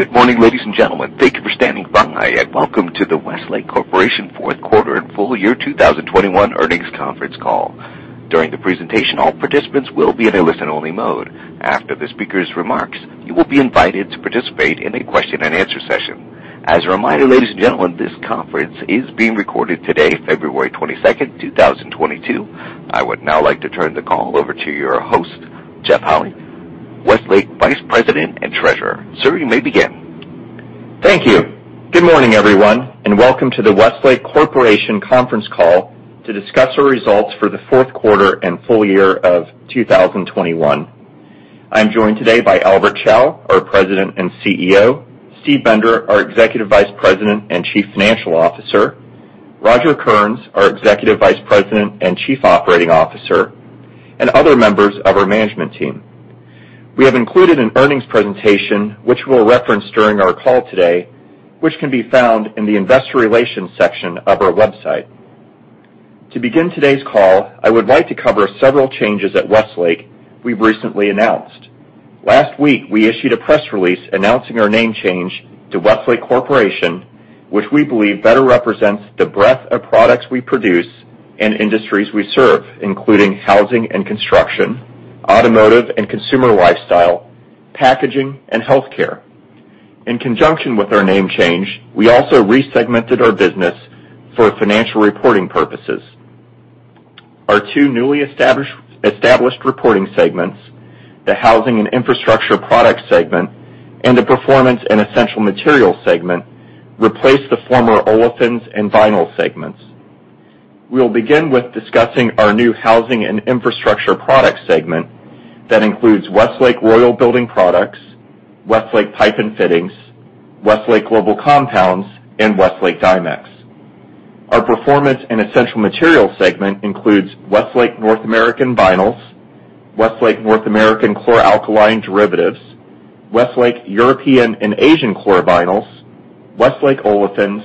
Good morning, ladies and gentlemen. Thank you for standing by, and welcome to the Westlake Corporation Q4 and full year 2021 earnings conference call. During the presentation, all participants will be in a listen-only mode. After the speaker's remarks, you will be invited to participate in a Q&A session. As a reminder, ladies and gentlemen, this conference is being recorded today, February 22, 2022. I would now like to turn the call over to your host, Jeff Holy, Westlake Vice President and Treasurer. Sir, you may begin. Thank you. Good morning, everyone, and welcome to the Westlake Corporation conference call to discuss our results for the Q4 and full year of 2021. I'm joined today by Albert Chao, our President and CEO, Steve Bender, our Executive Vice President and Chief Financial Officer, Roger Kearns, our Executive Vice President and Chief Operating Officer, and other members of our management team. We have included an earnings presentation, which we'll reference during our call today, which can be found in the investor relations section of our website. To begin today's call, I would like to cover several changes at Westlake we've recently announced. Last week, we issued a press release announcing our name change to Westlake Corporation, which we believe better represents the breadth of products we produce and industries we serve, including housing and construction, automotive and consumer lifestyle, packaging, and healthcare. In conjunction with our name change, we also resegmented our business for financial reporting purposes. Our two newly established reporting segments, the Housing and Infrastructure Products segment and the Performance and Essential Materials segment, replace the former Olefins and Vinyls segments. We'll begin with discussing our new Housing and Infrastructure Products segment that includes Westlake Royal Building Products, Westlake Pipe and Fittings, Westlake Global Compounds, and Westlake Dimex. Our Performance and Essential Materials segment includes Westlake North American Vinyls, Westlake North American Chlor-alkali & Derivatives, Westlake European & Asian Chlorovinyls, Westlake Olefins,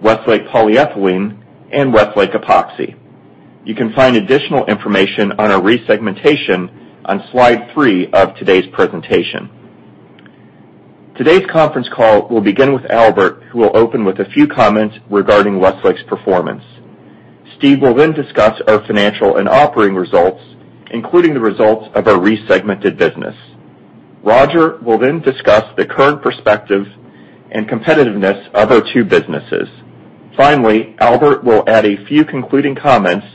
Westlake Polyethylene, and Westlake Epoxy. You can find additional information on our resegmentation on slide three of today's presentation. Today's conference call will begin with Albert, who will open with a few comments regarding Westlake's performance. Steve will then discuss our financial and operating results, including the results of our resegmented business. Roger will then discuss the current perspective and competitiveness of our two businesses. Finally, Albert will add a few concluding comments,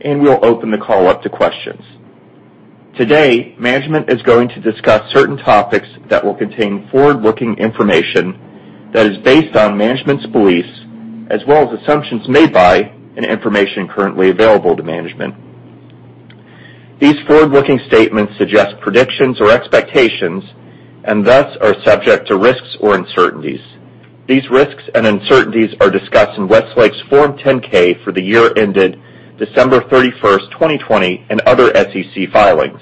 and we'll open the call up to questions. Today, management is going to discuss certain topics that will contain forward-looking information that is based on management's beliefs as well as assumptions made by and information currently available to management. These forward-looking statements suggest predictions or expectations and thus are subject to risks or uncertainties. These risks and uncertainties are discussed in Westlake's Form 10-K for the year ended December 31, 2020, and other SEC filings.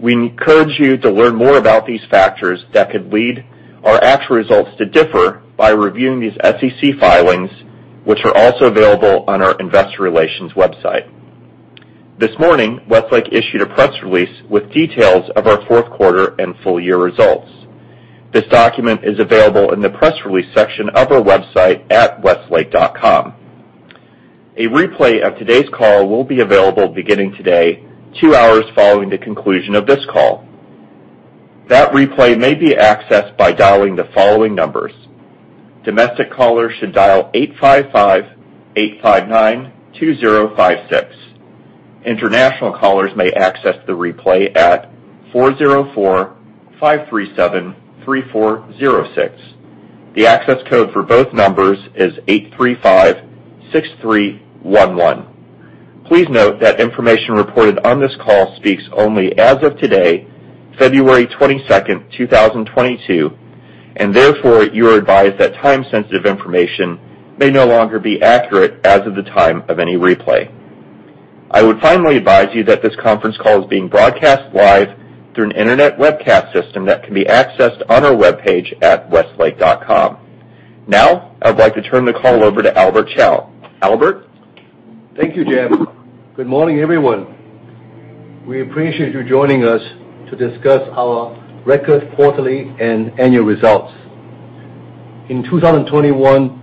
We encourage you to learn more about these factors that could lead our actual results to differ by reviewing these SEC filings, which are also available on our investor relations website. This morning, Westlake issued a press release with details of our Q4 and full year results. This document is available in the press release section of our website at westlake.com. A replay of today's call will be available beginning today, two hours following the conclusion of this call. That replay may be accessed by dialing the following numbers. Domestic callers should dial 855-859-2056. International callers may access the replay at 404-537-3406. The access code for both numbers is 835-6311. Please note that information reported on this call speaks only as of today, February 22, 2022, and therefore you are advised that time-sensitive information may no longer be accurate as of the time of any replay. I would finally advise you that this conference call is being broadcast live through an internet webcast system that can be accessed on our webpage at westlake.com. Now, I would like to turn the call over to Albert Chao. Albert? Thank you, Jeff. Good morning, everyone. We appreciate you joining us to discuss our record quarterly and annual results. In 2021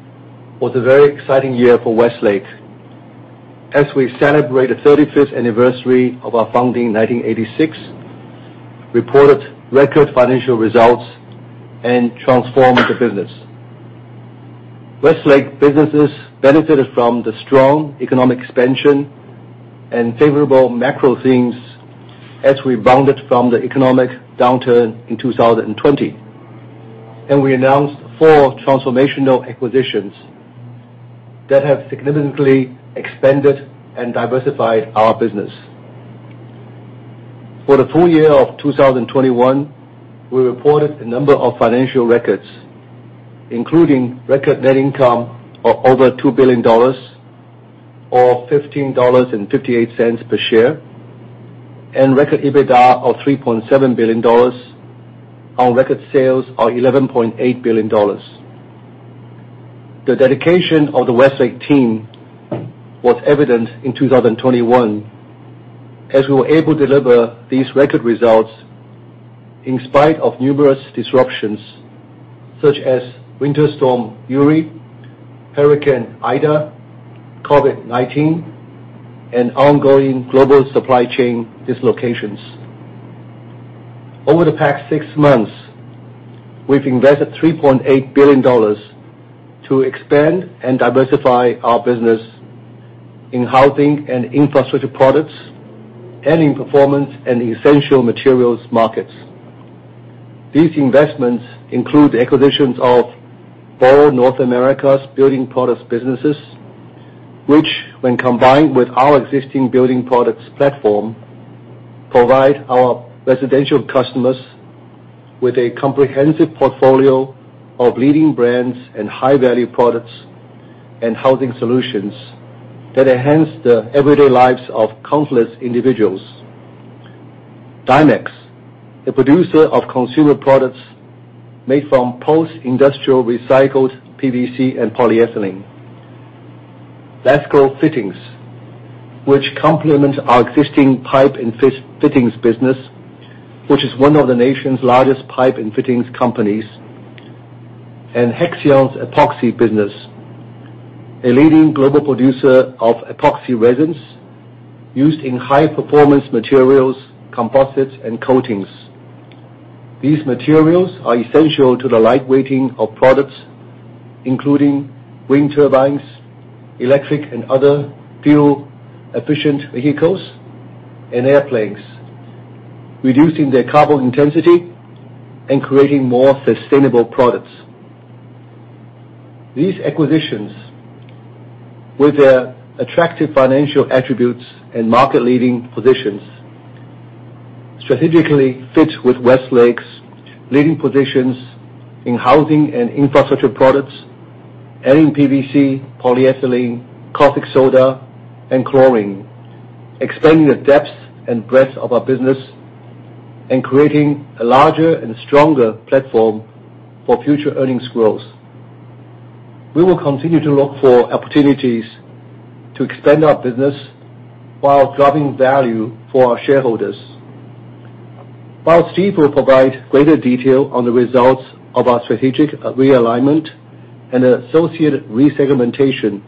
was a very exciting year for Westlake as we celebrate the 35th anniversary of our founding in 1986, reported record financial results, and transformed the business. Westlake businesses benefited from the strong economic expansion and favorable macro themes as we bounced back from the economic downturn in 2020, and we announced four transformational acquisitions that have significantly expanded and diversified our business. For the full year of 2021, we reported a number of financial records, including record net income of over $2 billion or $15.58 per share, and record EBITDA of $3.7 billion on record sales of $11.8 billion. The dedication of the Westlake team was evident in 2021, as we were able to deliver these record results in spite of numerous disruptions such as Winter Storm Uri, Hurricane Ida, COVID-19, and ongoing global supply chain dislocations. Over the past six months, we've invested $3.8 billion to expand and diversify our business in Housing and Infrastructure Products, and in Performance and Essential Materials markets. These investments include acquisitions of four North American building products businesses, which when combined with our existing building products platform, provide our residential customers with a comprehensive portfolio of leading brands and high-value products and housing solutions that enhance the everyday lives of countless individuals. Dimex, a producer of consumer products made from post-industrial recycled PVC and polyethylene. LASCO Fittings, which complement our existing pipe and fittings business, which is one of the nation's largest pipe and fittings companies, and Hexion's epoxy business, a leading global producer of epoxy resins used in high-performance materials, composites, and coatings. These materials are essential to the lightweighting of products, including wind turbines, electric and other fuel-efficient vehicles and airplanes, reducing their carbon intensity and creating more sustainable products. These acquisitions, with their attractive financial attributes and market-leading positions, strategically fit with Westlake's leading positions in Housing and Infrastructure Products, and in PVC, polyethylene, caustic soda, and chlorine, expanding the depth and breadth of our business and creating a larger and stronger platform for future earnings growth. We will continue to look for opportunities to expand our business while driving value for our shareholders. While Steve will provide greater detail on the results of our strategic realignment and associated resegmentation,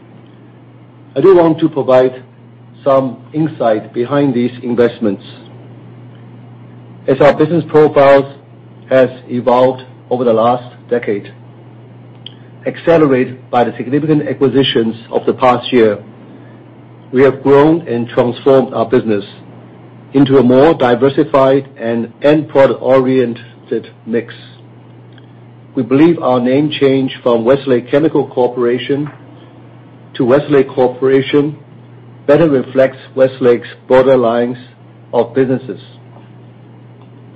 I do want to provide some insight behind these investments. As our business profiles has evolved over the last decade, accelerated by the significant acquisitions of the past year, we have grown and transformed our business into a more diversified and end product-oriented mix. We believe our name change from Westlake Chemical Corporation to Westlake Corporation better reflects Westlake's broader lines of businesses.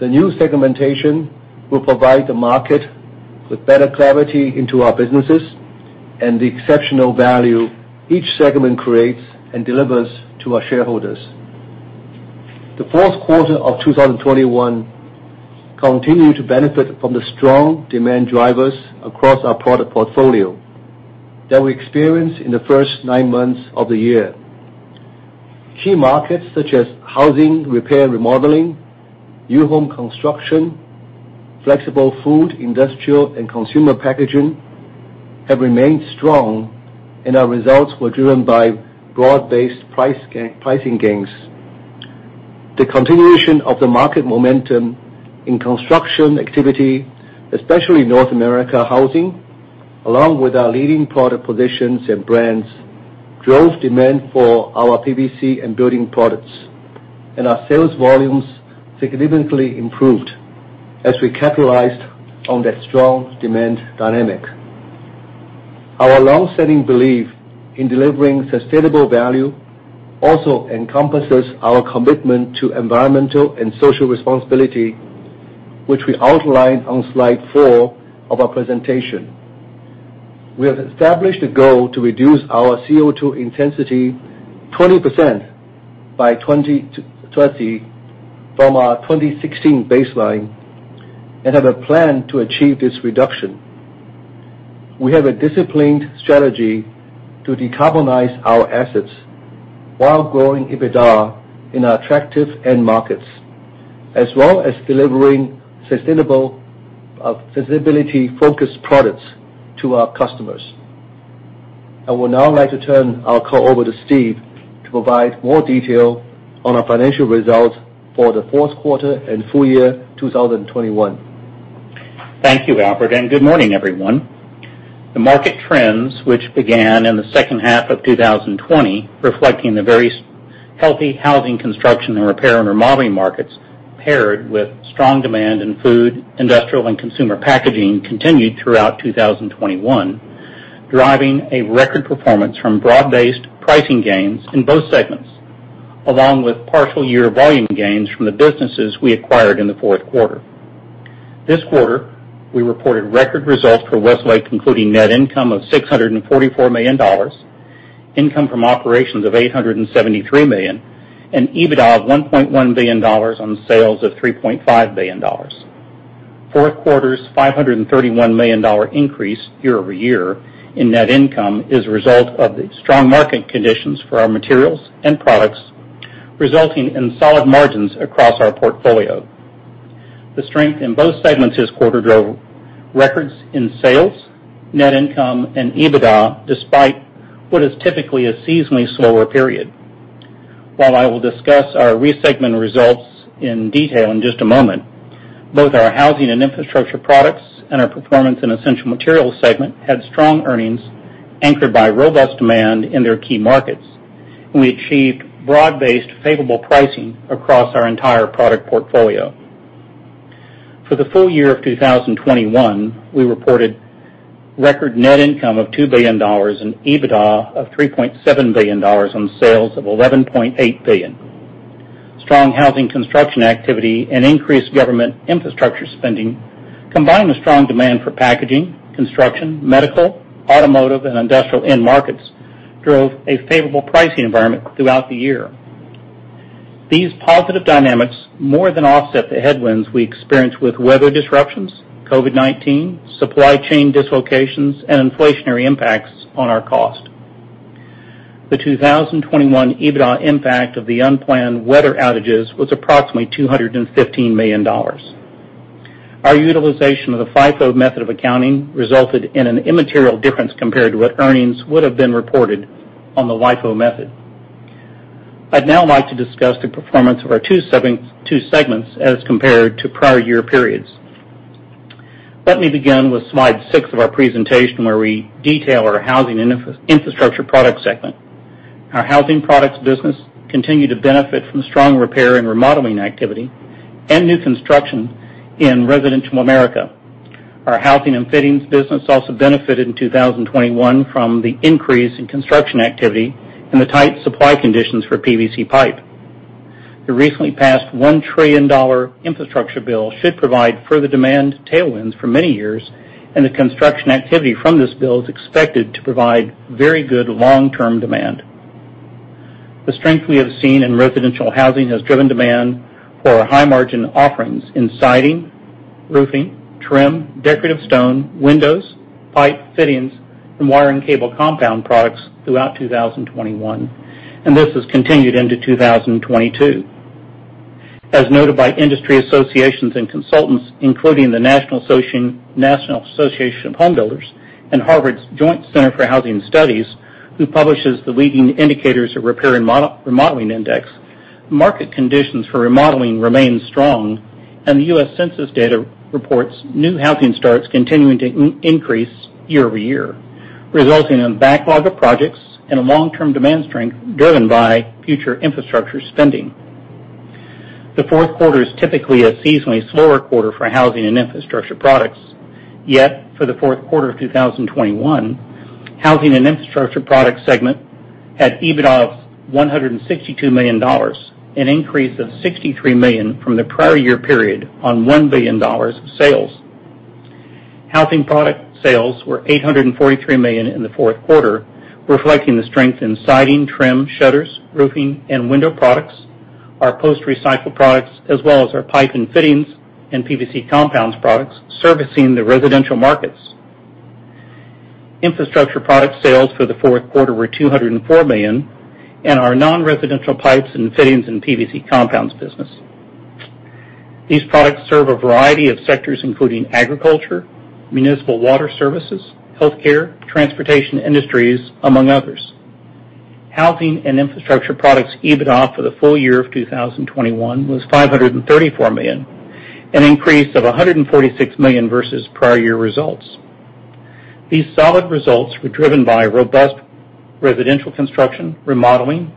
The new segmentation will provide the market with better clarity into our businesses and the exceptional value each segment creates and delivers to our shareholders. The Q4 of 2021 continued to benefit from the strong demand drivers across our product portfolio that we experienced in the first nine months of the year. Key markets such as housing, repair, remodeling, new home construction, flexible food, industrial, and consumer packaging have remained strong, and our results were driven by broad-based pricing gains. The continuation of the market momentum in construction activity, especially North American housing, along with our leading product positions and brands, drove demand for our PVC and building products, and our sales volumes significantly improved as we capitalized on that strong demand dynamic. Our long-standing belief in delivering sustainable value also encompasses our commitment to environmental and social responsibility, which we outlined on slide four of our presentation. We have established a goal to reduce our CO2 intensity 20% by 20 from our 2016 baseline and have a plan to achieve this reduction. We have a disciplined strategy to decarbonize our assets while growing EBITDA in our attractive end markets, as well as delivering sustainable, sustainability focused products to our customers. I would now like to turn our call over to Steve to provide more detail on our financial results for the Q4 and full year 2021. Thank you, Albert, and good morning, everyone. The market trends, which began in the second half of 2020, reflecting the very healthy housing construction and repair and remodeling markets, paired with strong demand in food, industrial, and consumer packaging, continued throughout 2021, driving a record performance from broad-based pricing gains in both segments, along with partial year volume gains from the businesses we acquired in the Q4. This quarter, we reported record results for Westlake, including net income of $644 million. Income from operations of $873 million, and EBITDA of $1.1 billion on sales of $3.5 billion. Q4 $531 million increase year-over-year in net income is a result of the strong market conditions for our materials and products, resulting in solid margins across our portfolio. The strength in both segments this quarter drove records in sales, net income, and EBITDA, despite what is typically a seasonally slower period. While I will discuss our segment results in detail in just a moment, both our Housing and Infrastructure Products and our Performance and Essential Materials segment had strong earnings anchored by robust demand in their key markets, and we achieved broad-based favorable pricing across our entire product portfolio. For the full year of 2021, we reported record net income of $2 billion and EBITDA of $3.7 billion on sales of $11.8 billion. Strong housing construction activity and increased government infrastructure spending, combined with strong demand for packaging, construction, medical, automotive, and industrial end markets, drove a favorable pricing environment throughout the year. These positive dynamics more than offset the headwinds we experienced with weather disruptions, COVID-19, supply chain dislocations, and inflationary impacts on our cost. The 2021 EBITDA impact of the unplanned weather outages was approximately $215 million. Our utilization of the FIFO method of accounting resulted in an immaterial difference compared to what earnings would have been reported on the LIFO method. I'd now like to discuss the performance of our two segments as compared to prior year periods. Let me begin with slide six of our presentation, where we detail our Housing and Infrastructure Products segment. Our housing products business continued to benefit from strong repair and remodeling activity and new construction in residential America. Our housing and fittings business also benefited in 2021 from the increase in construction activity and the tight supply conditions for PVC pipe. The recently passed $1 trillion infrastructure bill should provide further demand tailwinds for many years, and the construction activity from this bill is expected to provide very good long-term demand. The strength we have seen in residential housing has driven demand for our high-margin offerings in siding, roofing, trim, decorative stone, windows, pipe fittings, and wire and cable compound products throughout 2021, and this has continued into 2022. As noted by industry associations and consultants, including the National Association of Home Builders and Joint Center for Housing Studies of Harvard University, who publishes the leading indicators of repair and remodeling index, market conditions for remodeling remain strong, and the U.S. Census Bureau data reports new housing starts continuing to increase year-over-year, resulting in a backlog of projects and a long-term demand strength driven by future infrastructure spending. The Q4 is typically a seasonally slower quarter for Housing and Infrastructure Products. Yet, for the Q4 of 2021, Housing and Infrastructure Products segment had EBITDA of $162 million, an increase of $63 million from the prior year period on $1 billion of sales. Housing products sales were $843 million in the Q4, reflecting the strength in siding, trim, shutters, roofing, and window products, our post-recycled products, as well as our pipe and fittings and PVC compounds products servicing the residential markets. Infrastructure products sales for the Q4 were $204 million in our non-residential pipes and fittings and PVC compounds business. These products serve a variety of sectors, including agriculture, municipal water services, healthcare, transportation industries, among others. Housing and Infrastructure Products EBITDA for the full year of 2021 was $534 million, an increase of $146 million versus prior year results. These solid results were driven by robust residential construction, remodeling,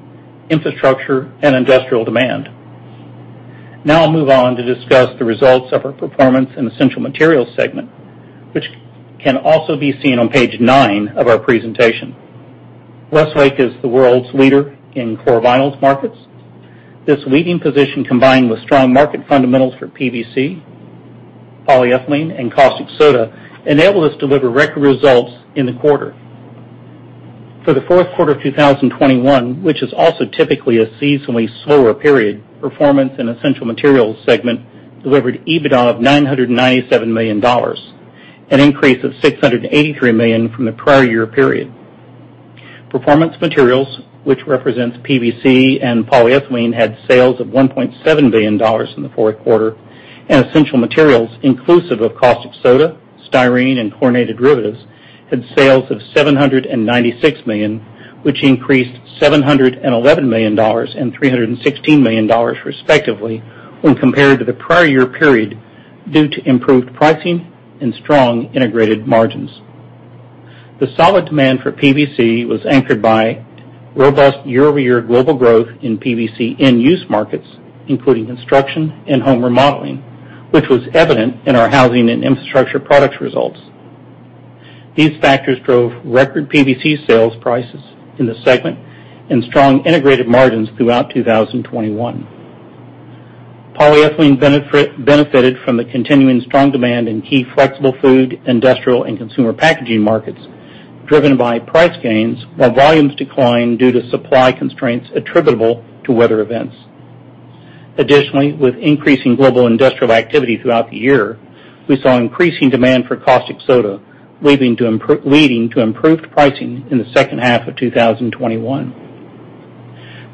infrastructure, and industrial demand. Now I'll move on to discuss the results of our Performance and Essential Materials segment, which can also be seen on page nine of our presentation. Westlake is the world's leader in chlorovinyls markets. This leading position, combined with strong market fundamentals for PVC, polyethylene, and caustic soda, enabled us to deliver record results in the quarter. For the Q4 of 2021, which is also typically a seasonally slower period, Performance and Essential Materials segment delivered EBITDA of $997 million, an increase of $683 million from the prior year period. Performance Materials, which represents PVC and polyethylene, had sales of $1.7 billion in the Q4, and Essential Materials, inclusive of caustic soda, styrene, and chlorinated derivatives, had sales of $796 million, which increased $711 million and $316 million respectively when compared to the prior year period due to improved pricing and strong integrated margins. The solid demand for PVC was anchored by robust year-over-year global growth in PVC end-use markets, including construction and home remodeling, which was evident in our Housing and Infrastructure Products results. These factors drove record PVC sales prices in the segment and strong integrated margins throughout 2021. Polyethylene benefited from the continuing strong demand in key flexible food, industrial and consumer packaging markets driven by price gains while volumes decline due to supply constraints attributable to weather events. Additionally, with increasing global industrial activity throughout the year, we saw increasing demand for caustic soda, leading to improved pricing in the second half of 2021.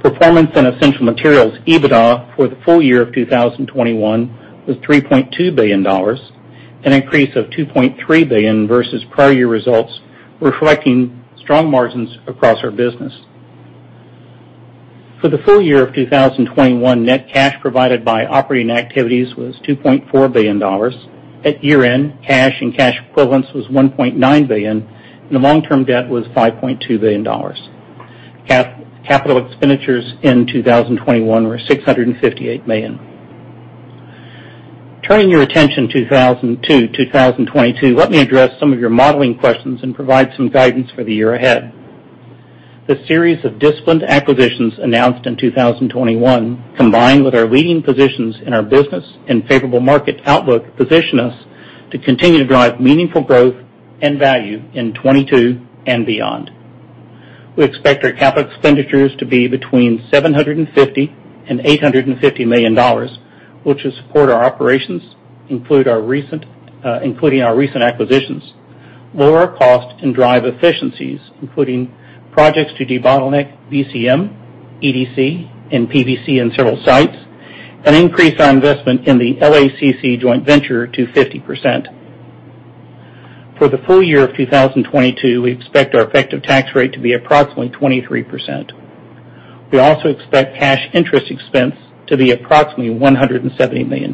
Performance and Essential Materials EBITDA for the full year of 2021 was $3.2 billion, an increase of $2.3 billion versus prior year results, reflecting strong margins across our business. For the full year of 2021, net cash provided by operating activities was $2.4 billion. At year-end, cash and cash equivalents was $1.9 billion, and the long-term debt was $5.2 billion. Capital expenditures in 2021 were $658 million. Turning your attention to 2022, let me address some of your modeling questions and provide some guidance for the year ahead. The series of disciplined acquisitions announced in 2021, combined with our leading positions in our business and favorable market outlook, position us to continue to drive meaningful growth and value in 2022 and beyond. We expect our capital expenditures to be between $750 million and $850 million, which will support our operations, including our recent acquisitions, lower our costs and drive efficiencies, including projects to debottleneck VCM, EDC and PVC in several sites, and increase our investment in the LACC joint venture to 50%. For the full year of 2022, we expect our effective tax rate to be approximately 23%. We also expect cash interest expense to be approximately $170 million.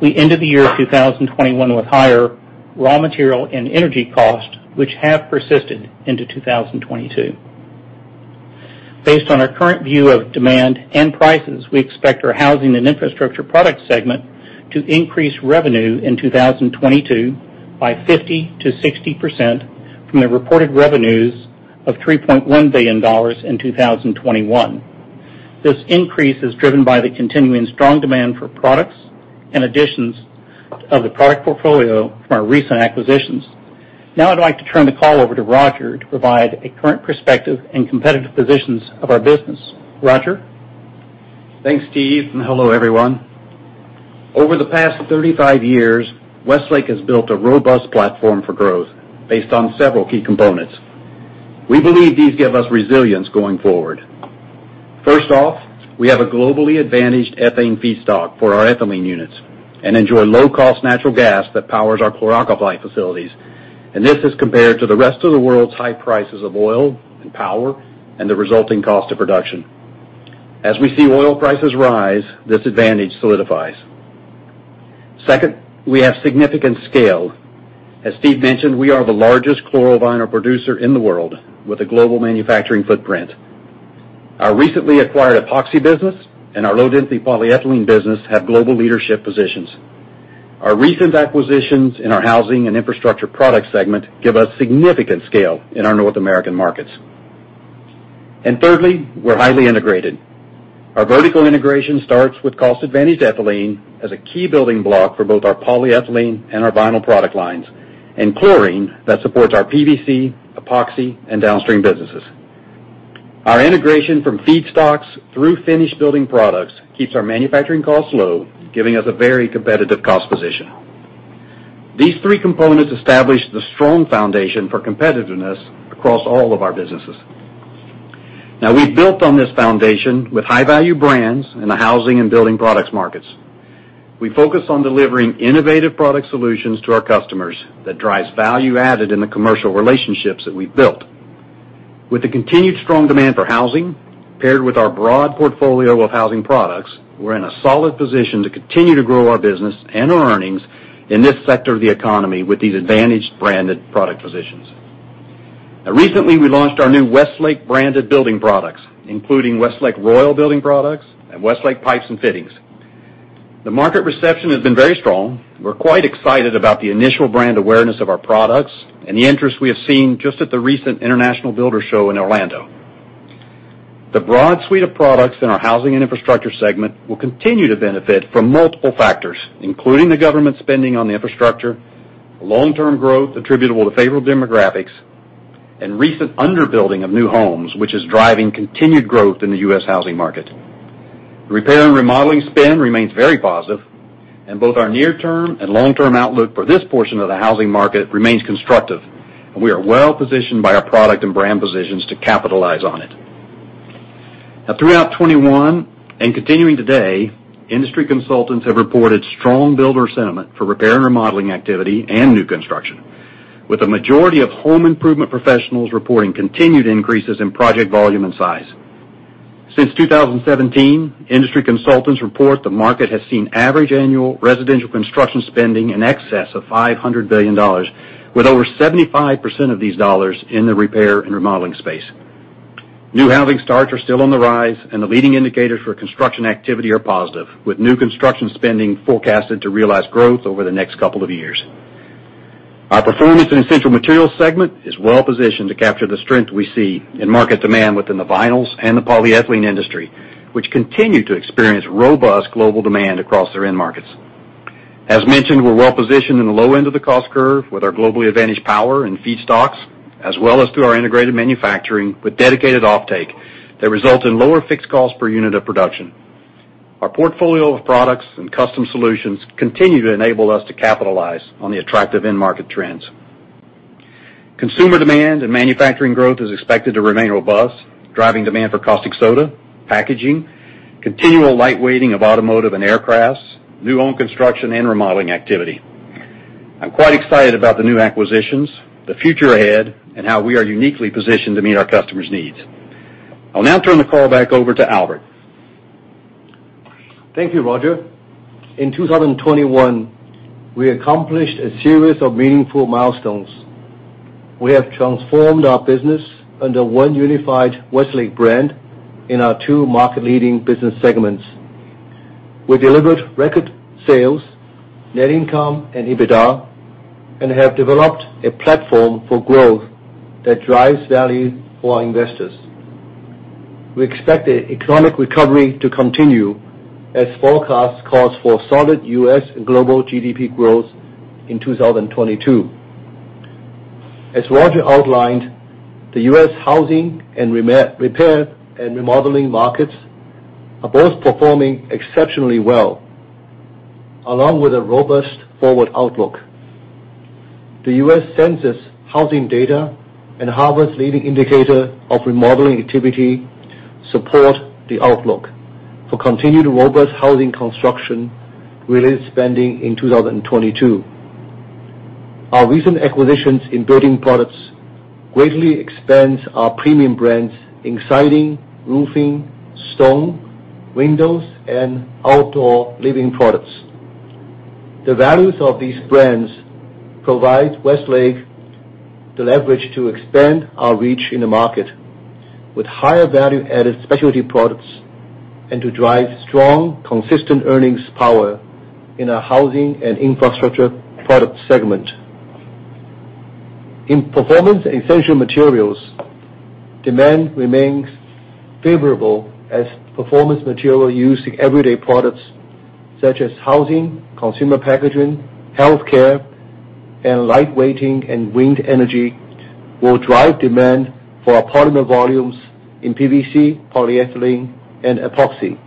We ended the year 2021 with higher raw material and energy costs, which have persisted into 2022. Based on our current view of demand and prices, we expect our Housing and Infrastructure Products segment to increase revenue in 2022 by 50%-60% from the reported revenues of $3.1 billion in 2021. This increase is driven by the continuing strong demand for products and additions of the product portfolio from our recent acquisitions. Now I'd like to turn the call over to Roger to provide a current perspective and competitive positions of our business. Roger? Thanks, Steve, and hello, everyone. Over the past 35 years, Westlake has built a robust platform for growth based on several key components. We believe these give us resilience going forward. First off, we have a globally advantaged ethane feedstock for our ethylene units and enjoy low-cost natural gas that powers our chlor-alkali facilities, and this is compared to the rest of the world's high prices of oil and power and the resulting cost of production. As we see oil prices rise, this advantage solidifies. Second, we have significant scale. As Steve mentioned, we are the largest chlorovinyls producer in the world with a global manufacturing footprint. Our recently acquired Epoxy business and our low-density polyethylene business have global leadership positions. Our recent acquisitions in our Housing and Infrastructure Products segment give us significant scale in our North American markets. Thirdly, we're highly integrated. Our vertical integration starts with cost-advantaged ethylene as a key building block for both our polyethylene and our vinyl product lines, and chlorine that supports our PVC, epoxy and downstream businesses. Our integration from feedstocks through finished building products keeps our manufacturing costs low, giving us a very competitive cost position. These three components establish the strong foundation for competitiveness across all of our businesses. Now we've built on this foundation with high-value brands in the housing and building products markets. We focus on delivering innovative product solutions to our customers that drives value added in the commercial relationships that we've built. With the continued strong demand for housing, paired with our broad portfolio of housing products, we're in a solid position to continue to grow our business and our earnings in this sector of the economy with these advantaged branded product positions. Recently, we launched our new Westlake branded building products, including Westlake Royal Building Products and Westlake Pipe & Fittings. The market reception has been very strong. We're quite excited about the initial brand awareness of our products and the interest we have seen just at the recent International Builders' Show in Orlando. The broad suite of products in our Housing and Infrastructure Products segment will continue to benefit from multiple factors, including the government spending on the infrastructure, long-term growth attributable to favorable demographics, and recent under-building of new homes, which is driving continued growth in the U.S. housing market. The repair and remodeling spend remains very positive, and both our near-term and long-term outlook for this portion of the housing market remains constructive, and we are well-positioned by our product and brand positions to capitalize on it. Now throughout 2021 and continuing today, industry consultants have reported strong builder sentiment for repair and remodeling activity and new construction, with the majority of home improvement professionals reporting continued increases in project volume and size. Since 2017, industry consultants report the market has seen average annual residential construction spending in excess of $500 billion, with over 75% of these dollars in the repair and remodeling space. New housing starts are still on the rise, and the leading indicators for construction activity are positive, with new construction spending forecasted to realize growth over the next couple of years. Our performance in Essential Materials segment is well-positioned to capture the strength we see in market demand within the vinyls and the polyethylene industry, which continue to experience robust global demand across their end markets. As mentioned, we're well-positioned in the low end of the cost curve with our globally advantaged power and feedstocks, as well as through our integrated manufacturing with dedicated offtake that result in lower fixed costs per unit of production. Our portfolio of products and custom solutions continue to enable us to capitalize on the attractive end market trends. Consumer demand and manufacturing growth is expected to remain robust, driving demand for caustic soda, packaging, continual lightweighting of automotive and aircrafts, new home construction and remodeling activity. I'm quite excited about the new acquisitions, the future ahead, and how we are uniquely positioned to meet our customers' needs. I'll now turn the call back over to Albert. Thank you, Roger. In 2021, we accomplished a series of meaningful milestones. We have transformed our business under one unified Westlake brand in our two market-leading business segments. We delivered record sales, net income, and EBITDA, and have developed a platform for growth that drives value for our investors. We expect the economic recovery to continue as forecasts calls for solid U.S. and global GDP growth in 2022. As Roger outlined, the U.S. housing and repair and remodeling markets are both performing exceptionally well, along with a robust forward outlook. The U.S. Census housing data and Harvard's leading indicator of remodeling activity support the outlook for continued robust housing construction-related spending in 2022. Our recent acquisitions in building products greatly expands our premium brands in siding, roofing, stone, windows, and outdoor living products. The values of these brands provide Westlake the leverage to expand our reach in the market with higher value-added specialty products, and to drive strong, consistent earnings power in our Housing and Infrastructure Products segment. In Performance and Essential Materials, demand remains favorable as Performance Materials used in everyday products such as housing, consumer packaging, healthcare, and lightweighting and wind energy will drive demand for our polymer volumes in PVC, polyethylene, and epoxy.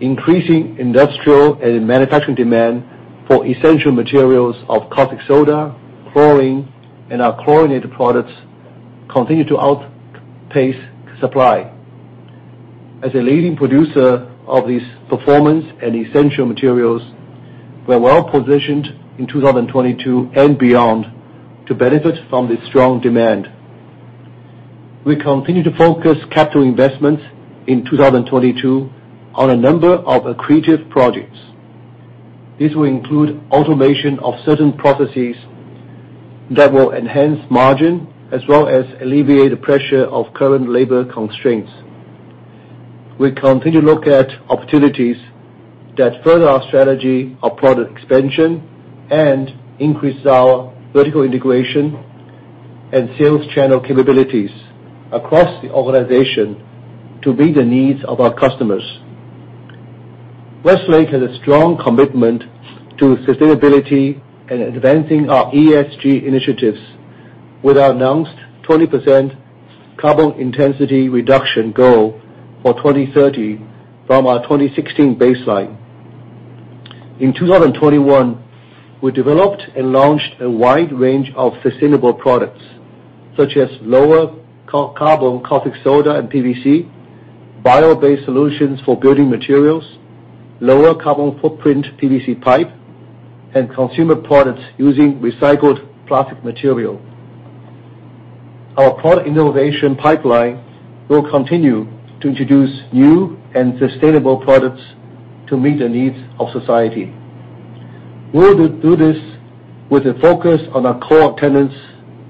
Increasing industrial and manufacturing demand for essential materials of caustic soda, chlorine, and our chlorinated products continue to outpace supply. As a leading producer of these Performance and Essential Materials, we're well-positioned in 2022 and beyond to benefit from the strong demand. We continue to focus capital investments in 2022 on a number of accretive projects. This will include automation of certain processes that will enhance margin as well as alleviate the pressure of current labor constraints. We continue to look at opportunities that further our strategy of product expansion and increase our vertical integration and sales channel capabilities across the organization to meet the needs of our customers. Westlake has a strong commitment to sustainability and advancing our ESG initiatives with our announced 20% carbon intensity reduction goal for 2030 from our 2016 baseline. In 2021, we developed and launched a wide range of sustainable products, such as lower carbon caustic soda and PVC, bio-based solutions for building materials, lower carbon footprint PVC pipe, and consumer products using recycled plastic material. Our product innovation pipeline will continue to introduce new and sustainable products to meet the needs of society. We'll do this with a focus on our core tenets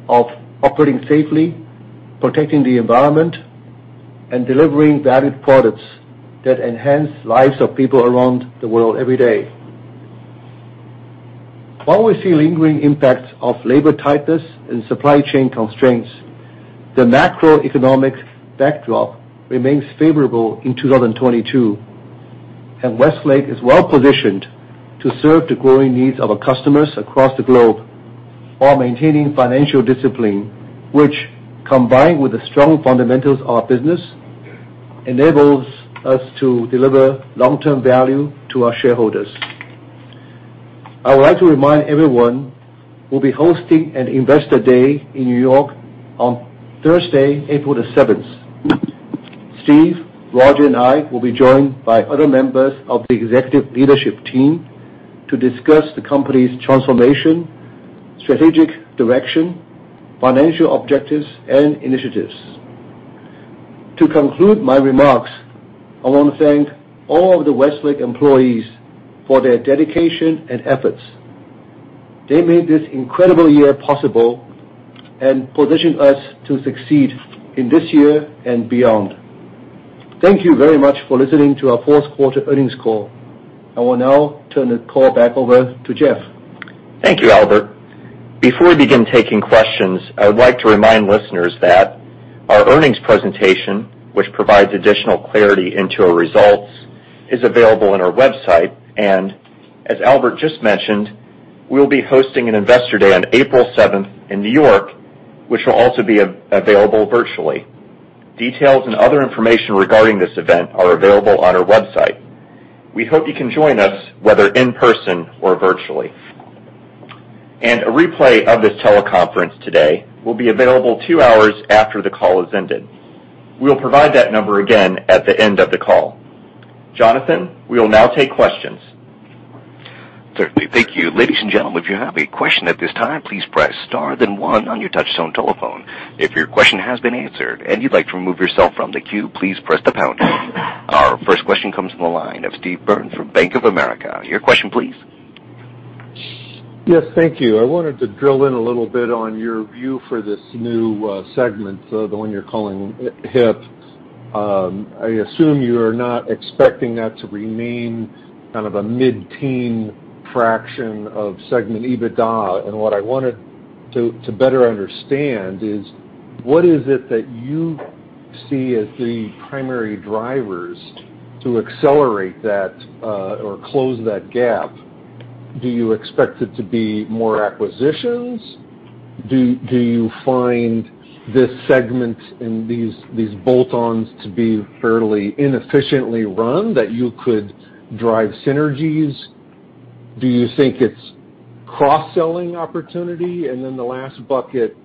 of operating safely, protecting the environment, and delivering valued products that enhance lives of people around the world every day. While we see lingering impacts of labor tightness and supply chain constraints, the macroeconomic backdrop remains favorable in 2022, and Westlake is well-positioned to serve the growing needs of our customers across the globe while maintaining financial discipline, which, combined with the strong fundamentals of our business, enables us to deliver long-term value to our shareholders. I would like to remind everyone we'll be hosting an Investor Day in New York on Thursday, April the seventh. Steve, Roger, and I will be joined by other members of the executive leadership team to discuss the company's transformation, strategic direction, financial objectives, and initiatives. To conclude my remarks, I want to thank all of the Westlake employees for their dedication and efforts. They made this incredible year possible and positioned us to succeed in this year and beyond. Thank you very much for listening to our Q4 earnings call. I will now turn the call back over to Jeff. Thank you, Albert. Before we begin taking questions, I would like to remind listeners that our earnings presentation, which provides additional clarity into our results, is available on our website. As Albert just mentioned, we will be hosting an Investor Day on April seventh in New York, which will also be available virtually. Details and other information regarding this event are available on our website. We hope you can join us, whether in person or virtually. A replay of this teleconference today will be available two hours after the call has ended. We'll provide that number again at the end of the call. Jonathan, we will now take questions. Certainly. Thank you. Ladies and gentlemen, if you have a question at this time, please press star then one on your touchtone telephone. If your question has been answered and you'd like to remove yourself from the queue, please press the pound key. Our first question comes from the line of Steve Byrne from Bank of America. Your question, please. Yes. Thank you. I wanted to drill in a little bit on your view for this new segment, so the one you're calling HI&P. I assume you are not expecting that to remain kind of a mid-teen fraction of segment EBITDA. What I wanted to better understand is, what is it that you see as the primary drivers to accelerate that or close that gap? Do you expect it to be more acquisitions? Do you find this segment and these bolt-ons to be fairly inefficiently run that you could drive synergies? Do you think it's cross-selling opportunity? Then the last bucket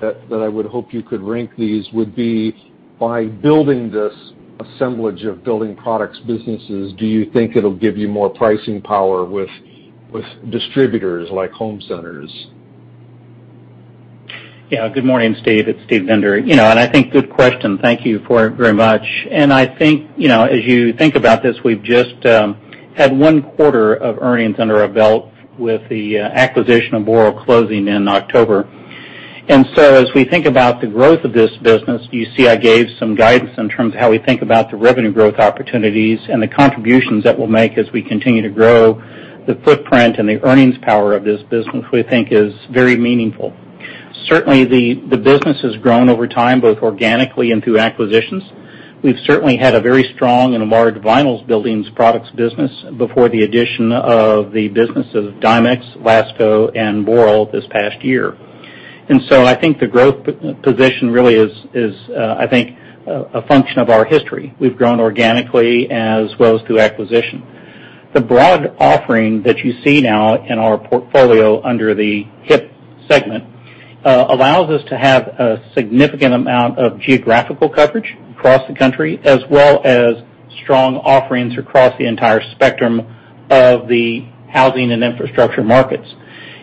that I would hope you could rank these would be, by building this assemblage of building products businesses, do you think it'll give you more pricing power with distributors like home centers? Good morning, Steve. It's Steve Bender. You know, I think good question. Thank you very much for it. I think, you know, as you think about this, we've just had one quarter of earnings under our belt with the acquisition of Boral closing in October. As we think about the growth of this business, you see, I gave some guidance in terms of how we think about the revenue growth opportunities and the contributions that we'll make as we continue to grow the footprint and the earnings power of this business who we think is very meaningful. Certainly, the business has grown over time, both organically and through acquisitions. We've certainly had a very strong and a large vinyls building products business before the addition of the business of Dimex, LASCO and Boral this past year. I think the growth position really is a function of our history. We've grown organically as well as through acquisition. The broad offering that you see now in our portfolio under the HI&P segment allows us to have a significant amount of geographical coverage across the country, as well as strong offerings across the entire spectrum of the housing and infrastructure markets.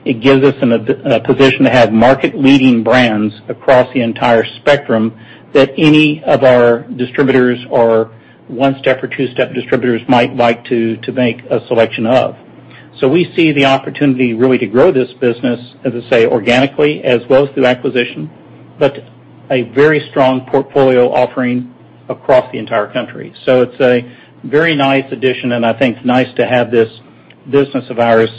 It gives us a position to have market-leading brands across the entire spectrum that any of our distributors or one-step or two-step distributors might like to make a selection of. We see the opportunity really to grow this business, as I say, organically as well as through acquisition, but a very strong portfolio offering across the entire country. It's a very nice addition, and I think it's nice to have this business of ours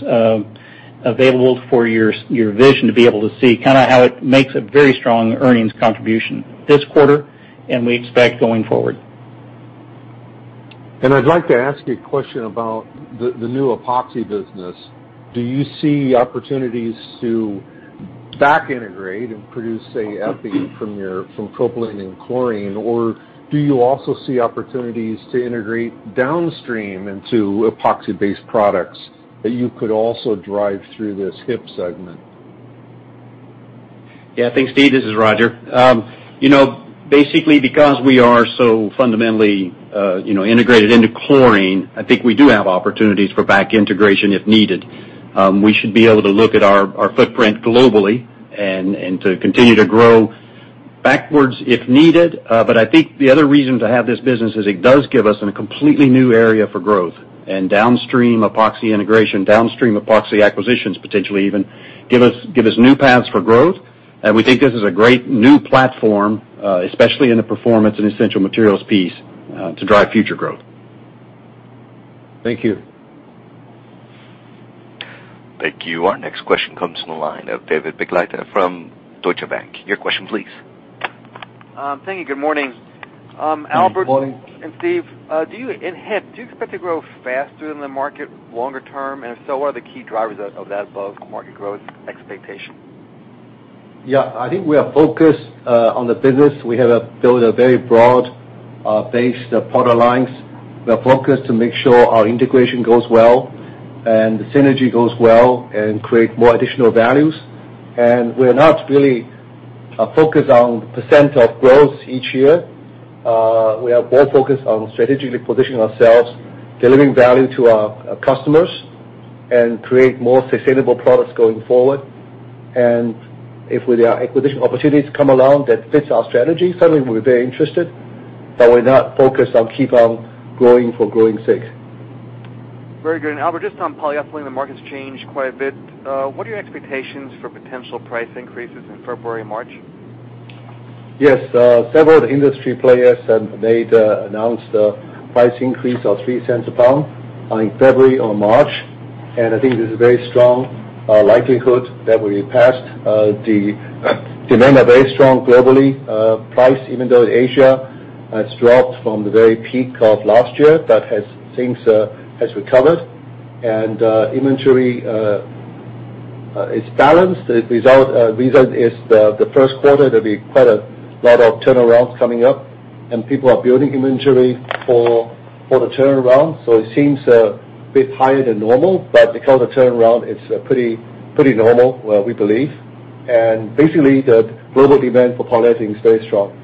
available for your vision to be able to see kind of how it makes a very strong earnings contribution this quarter and we expect going forward. I'd like to ask you a question about the new Epoxy business. Do you see opportunities to back integrate and produce, say, EPI from propylene and chlorine? Or do you also see opportunities to integrate downstream into Epoxy-based products that you could also drive through this HI&P segment? Yeah. Thanks, Steve. This is Roger. You know, basically, because we are so fundamentally integrated into chlorine, I think we do have opportunities for back integration if needed. We should be able to look at our footprint globally and to continue to grow backwards if needed. But I think the other reason to have this business is it does give us a completely new area for growth. Downstream epoxy integration, downstream epoxy acquisitions, potentially even give us new paths for growth. We think this is a great new platform, especially in the Performance and Essential Materials piece, to drive future growth. Thank you. Thank you. Our next question comes from the line of David Begleiter from Deutsche Bank. Your question, please. Thank you. Good morning. Good morning. Albert and Steve, in HI&P, do you expect to grow faster than the market longer term? If so, what are the key drivers of that above market growth expectation? Yeah. I think we are focused on the business. We have built a very broad base of product lines. We are focused to make sure our integration goes well and the synergy goes well and create more additional values. We're not really focused on percent of growth each year. We are more focused on strategically positioning ourselves, delivering value to our customers, and create more sustainable products going forward. If there are acquisition opportunities come along that fits our strategy, certainly we're very interested, but we're not focused on keep on growing for growing sake. Very good. Albert, just on polyethylene, the market's changed quite a bit. What are your expectations for potential price increases in February and March? Yes, several of the industry players have announced a price increase of $0.03 a pound in February or March. I think there's a very strong likelihood that will be passed. The demand are very strong globally. Prices, even though Asia has dropped from the very peak of last year, but has recovered. Inventory is balanced. The reason is the Q1, there'll be quite a lot of turnarounds coming up, and people are building inventory for the turnaround. It seems a bit higher than normal, but because of turnaround, it's pretty normal, we believe. Basically, the global demand for polyethylene is very strong.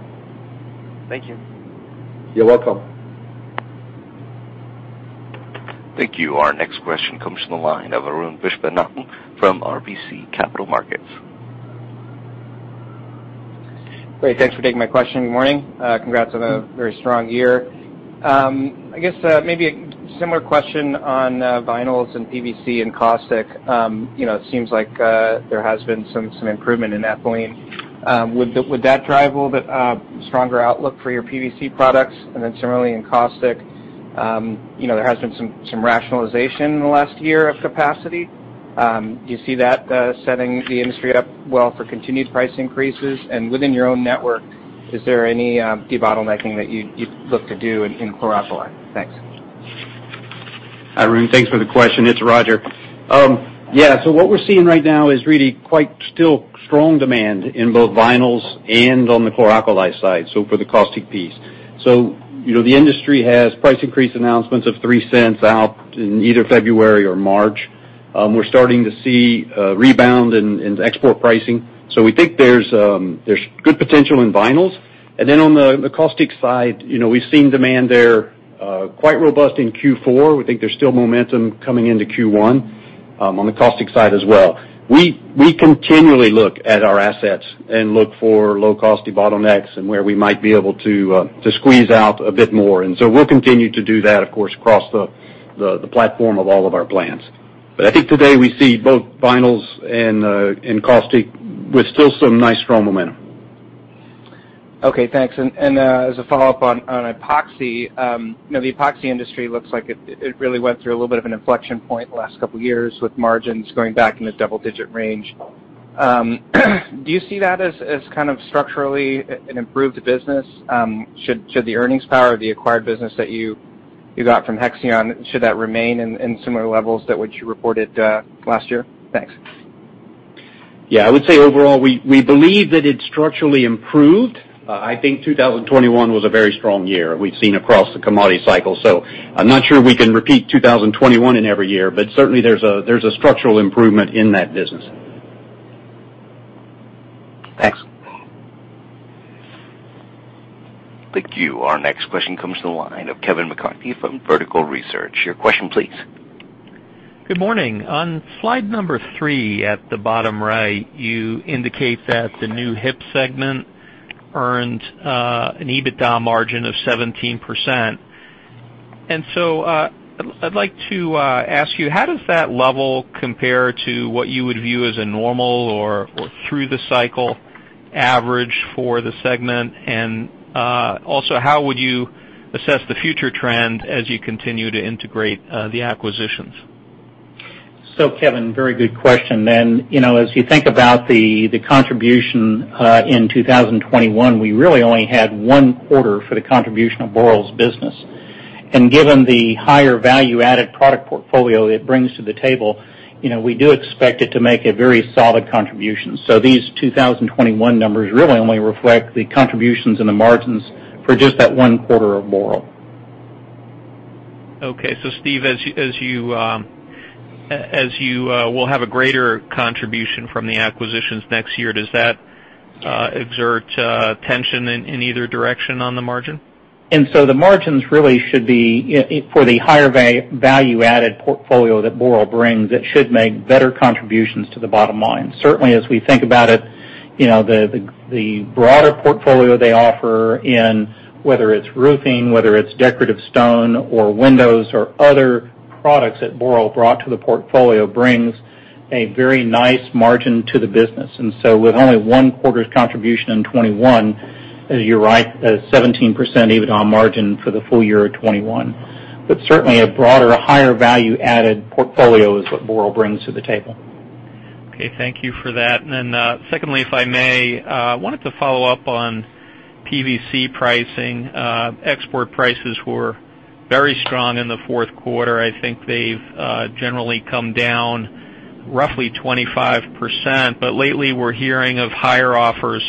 Thank you. You're welcome. Thank you. Our next question comes from the line of Arun Viswanathan from RBC Capital Markets. Great. Thanks for taking my question. Good morning. Congrats on a very strong year. I guess maybe a similar question on vinyls and PVC and caustic. You know, it seems like there has been some improvement in ethylene. Would that drive a little bit stronger outlook for your PVC products? And then similarly in caustic, you know, there has been some rationalization in the last year of capacity. Do you see that setting the industry up well for continued price increases? And within your own network, is there any debottlenecking that you'd look to do in chlor-alkali? Thanks. Hi, Arun. Thanks for the question. It's Roger. Yeah, so what we're seeing right now is really quite still strong demand in both vinyls and on the chlor-alkali side, so for the caustic piece. You know, the industry has price increase announcements of $0.03 out in either February or March. We're starting to see a rebound in export pricing. We think there's good potential in vinyls. Then on the caustic side, you know, we've seen demand there quite robust in Q4. We think there's still momentum coming into Q1 on the caustic side as well. We continually look at our assets and look for low-cost bottlenecks and where we might be able to squeeze out a bit more. We'll continue to do that, of course, across the platform of all of our plans. I think today we see both vinyls and caustic with still some nice strong momentum. Okay, thanks. As a follow-up on epoxy, you know, the epoxy industry looks like it really went through a little bit of an inflection point the last couple years with margins going back in the double-digit range. Do you see that as kind of structurally an improved business? Should the earnings power of the acquired business that you got from Hexion remain in similar levels to which you reported last year? Thanks. Yeah. I would say overall, we believe that it's structurally improved. I think 2021 was a very strong year we've seen across the commodity cycle. I'm not sure we can repeat 2021 in every year, but certainly there's a structural improvement in that business. Thanks. Thank you. Our next question comes to the line of Kevin McCarthy from Vertical Research. Your question, please. Good morning. On slide number three at the bottom right, you indicate that the new HIP segment earned an EBITDA margin of 17%. I'd like to ask you, how does that level compare to what you would view as a normal or through the cycle average for the segment? Also, how would you assess the future trend as you continue to integrate the acquisitions? Kevin, very good question. You know, as you think about the contribution in 2021, we really only had one quarter for the contribution of Boral's business. Given the higher value-added product portfolio it brings to the table, you know, we do expect it to make a very solid contribution. These 2021 numbers really only reflect the contributions and the margins for just that one quarter of Boral. Okay. Steve, as you will have a greater contribution from the acquisitions next year, does that exert tension in either direction on the margin? The margins really should be for the higher value-added portfolio that Boral brings. It should make better contributions to the bottom line. Certainly, as we think about it, the broader portfolio they offer, whether it's roofing, whether it's decorative stone or windows or other products that Boral brought to the portfolio, brings a very nice margin to the business. With only one quarter's contribution in 2021, as you're right, 17% EBITDA margin for the full year of 2021. Certainly a broader, higher value-added portfolio is what Boral brings to the table. Okay, thank you for that. Then, secondly, if I may, wanted to follow up on PVC pricing. Export prices were very strong in the Q4. I think they've generally come down roughly 25%. But lately we're hearing of higher offers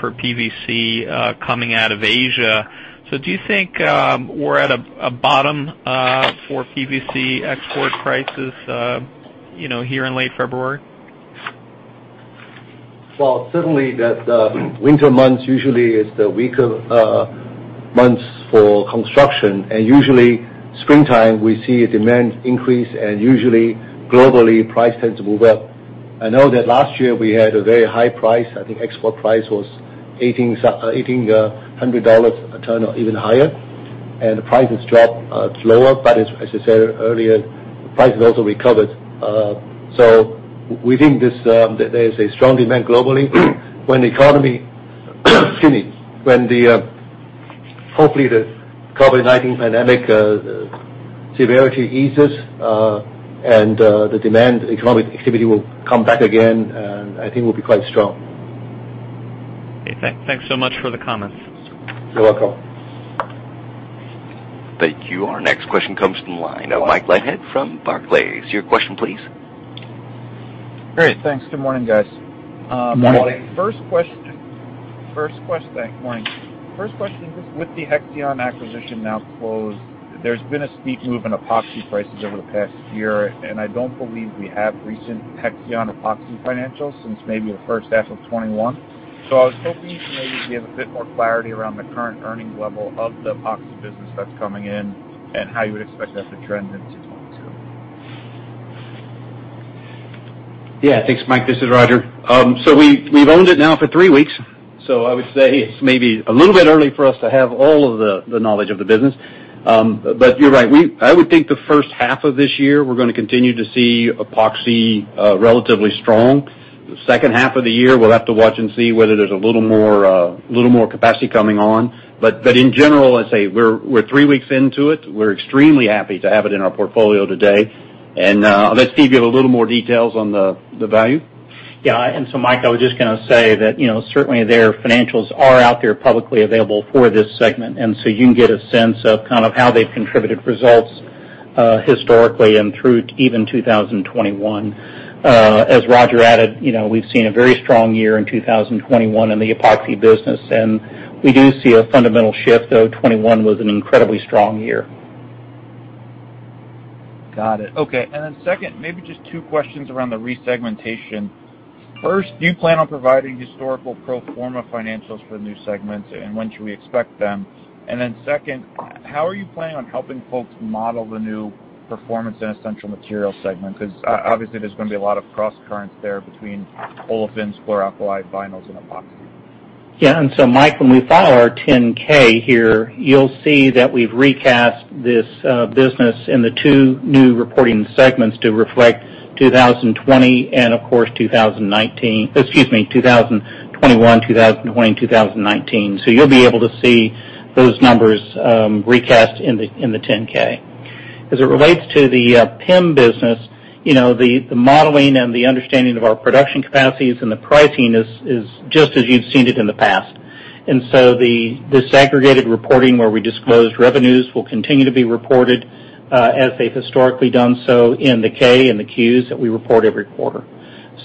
for PVC coming out of Asia. So do you think we're at a bottom for PVC export prices, you know, here in late February? Well, certainly that winter months usually is the weaker months for construction. Usually springtime, we see a demand increase, and usually globally, price tends to move up. I know that last year we had a very high price. I think export price was $1,800 a ton or even higher, and the price has dropped lower. As I said earlier, the price has also recovered. We think that there is a strong demand globally when hopefully the COVID-19 pandemic severity eases, and the demand economic activity will come back again, and I think we'll be quite strong. Okay. Thanks so much for the comments. You're welcome. Thank you. Our next question comes from the line of Mike Leithead from Barclays. Your question, please. Great. Thanks. Good morning, guys. Good morning. Good morning. First question, with the Hexion acquisition now closed, there's been a steep move in epoxy prices over the past year, and I don't believe we have recent Hexion epoxy financials since maybe the first half of 2021. I was hoping to maybe give a bit more clarity around the current earnings level of the epoxy business that's coming in and how you would expect that to trend into 2022. Yeah. Thanks, Mike. This is Roger. So we've owned it now for three weeks, so I would say it's maybe a little bit early for us to have all of the knowledge of the business. You're right. I would think the first half of this year we're gonna continue to see Epoxy relatively strong. The second half of the year, we'll have to watch and see whether there's a little more capacity coming on. In general, I'd say we're three weeks into it. We're extremely happy to have it in our portfolio today. I'll let Steve give a little more details on the value. Yeah. Mike, I was just gonna say that, you know, certainly their financials are out there publicly available for this segment, and so you can get a sense of kind of how they've contributed results, historically and through even 2021. As Roger added, you know, we've seen a very strong year in 2021 in the Epoxy business. We do see a fundamental shift, though 2021 was an incredibly strong year. Got it. Okay. Second, maybe just two questions around the resegmentation. First, do you plan on providing historical pro forma financials for the new segments, and when should we expect them? Second, how are you planning on helping folks model the new Performance and Essential Materials segment? 'Cause obviously, there's gonna be a lot of crosscurrents there between Olefins, chlor-alkali, Vinyls, and Epoxy. Yeah, Mike, when we file our 10-K here, you'll see that we've recast this business in the two new reporting segments to reflect 2020 and of course, 2019. Excuse me, 2021, 2020, 2019. You'll be able to see those numbers recast in the 10-K. As it relates to the PEM business, you know, the modeling and the understanding of our production capacities and the pricing is just as you've seen it in the past. The disaggregated reporting where we disclose revenues will continue to be reported as they've historically done so in the 10-K and the Qs that we report every quarter.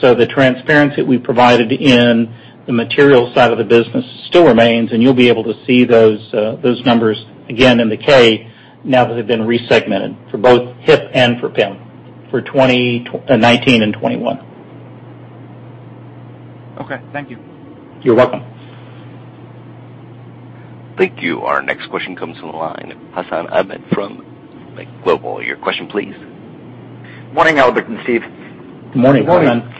The transparency we provided in the material side of the business still remains, and you'll be able to see those numbers again in the K now that they've been resegmented for both HIP and for PEM for 2019 and 2021. Okay. Thank you. You're welcome. Thank you. Our next question comes from the line of Hassan Ahmed from Alembic Global Advisors. Your question please. Morning, Albert and Steve. Good morning. Morning.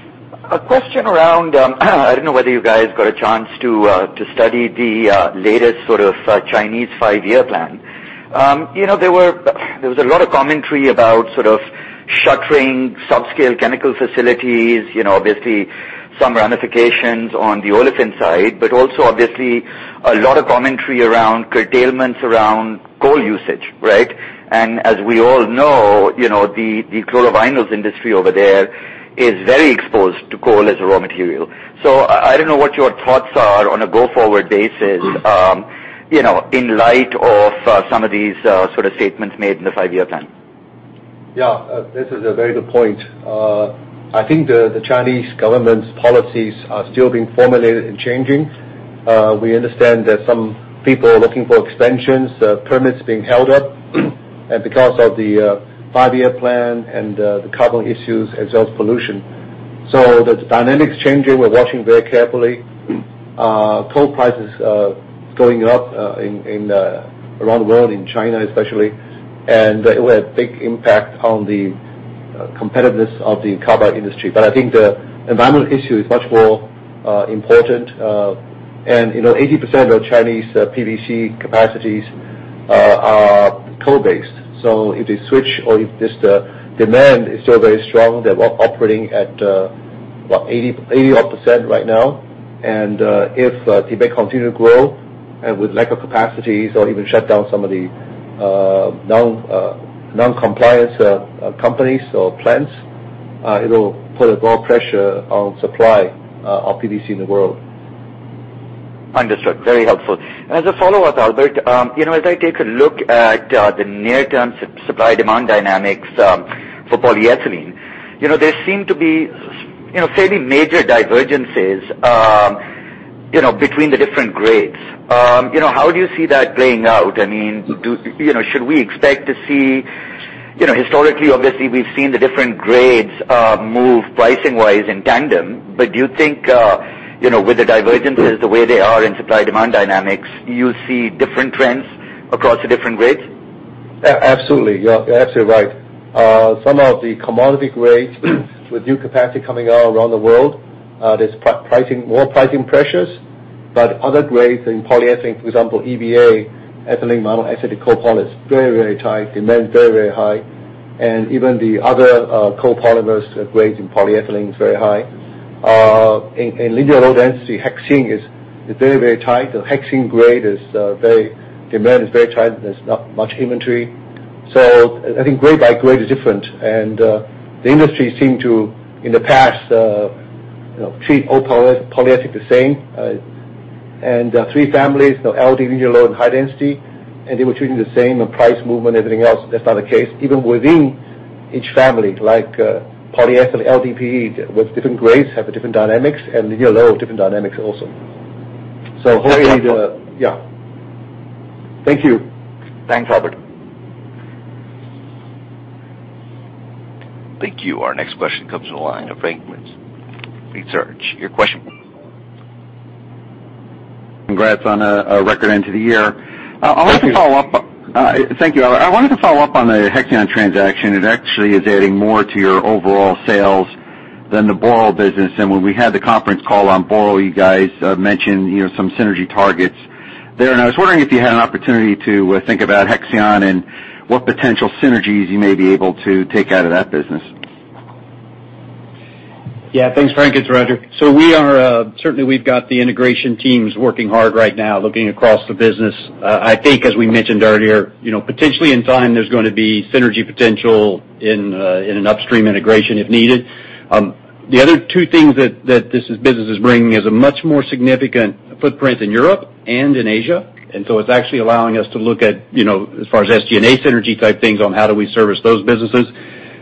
A question around, I don't know whether you guys got a chance to study the latest sort of Chinese Five Year Plan. You know, there was a lot of commentary about sort of shuttering sub-scale chemical facilities, you know, obviously some ramifications on the olefin side, but also obviously a lot of commentary around curtailments around coal usage, right? As we all know, you know, the chlorovinyls industry over there is very exposed to coal as a raw material. I don't know what your thoughts are on a go-forward basis, you know, in light of some of these sort of statements made in the Five Year Plan. Yeah. This is a very good point. I think the Chinese government's policies are still being formulated and changing. We understand that some people are looking for extensions, permits being held up and because of the Five Year Plan and the carbon issues as well as pollution. The dynamics changing, we're watching very carefully. Coal prices going up around the world, in China especially, and it will have big impact on the competitiveness of the carbide industry. I think the environmental issue is much more important. You know, 80% of Chinese PVC capacities are coal-based. If they switch or if just the demand is still very strong, they're operating at what? 80-odd% right now. If demand continue to grow and with lack of capacity, so even shut down some of the non-compliance companies or plants, it'll put more pressure on supply of PVC in the world. Understood. Very helpful. As a follow-up, Albert, you know, as I take a look at the near-term supply-demand dynamics for polyethylene, you know, there seem to be, you know, fairly major divergences, you know, between the different grades. You know, how do you see that playing out? I mean, do you know, should we expect to see? You know, historically, obviously, we've seen the different grades move pricing-wise in tandem. But do you think, you know, with the divergences the way they are in supply-demand dynamics, you see different trends across the different grades? Yeah, absolutely. You're absolutely right. Some of the commodity grades with new capacity coming out around the world, there's pricing, more pricing pressures, but other grades in polyethylene, for example, EVA, ethylene vinyl acetate copolymer, is very, very tight. Demand is very, very high. Even the other copolymers grades in polyethylene is very high. In linear low-density hexene is very, very tight. The hexene grade is very tight. Demand is very tight. There's not much inventory. So I think grade by grade is different. The industry seemed to, in the past, you know, treat all polyethylene the same. Three families, you know, LD, linear low and high density, and they were treating the same, the price movement, everything else. That's not the case. Even within each family, like, polyethylene LDPE with different grades have different dynamics and linear low have different dynamics also. Hopefully. Yeah. Thank you. Thanks, Albert. Thank you. Our next question comes from the line of Frank Mitsch, Fermium Research. Your question? Congrats on a record end to the year. Thank you. Thank you, Albert. I wanted to follow up on the Hexion transaction. It actually is adding more to your overall sales than the Boral business. When we had the conference call on Boral, you guys mentioned, you know, some synergy targets there. I was wondering if you had an opportunity to think about Hexion and what potential synergies you may be able to take out of that business. Yeah. Thanks, Frank. It's Roger. We are certainly. We've got the integration teams working hard right now, looking across the business. I think as we mentioned earlier, you know, potentially in time, there's gonna be synergy potential in an upstream integration if needed. The other two things that this business is bringing is a much more significant footprint in Europe and in Asia. It's actually allowing us to look at, you know, as far as SG&A synergy type things on how do we service those businesses.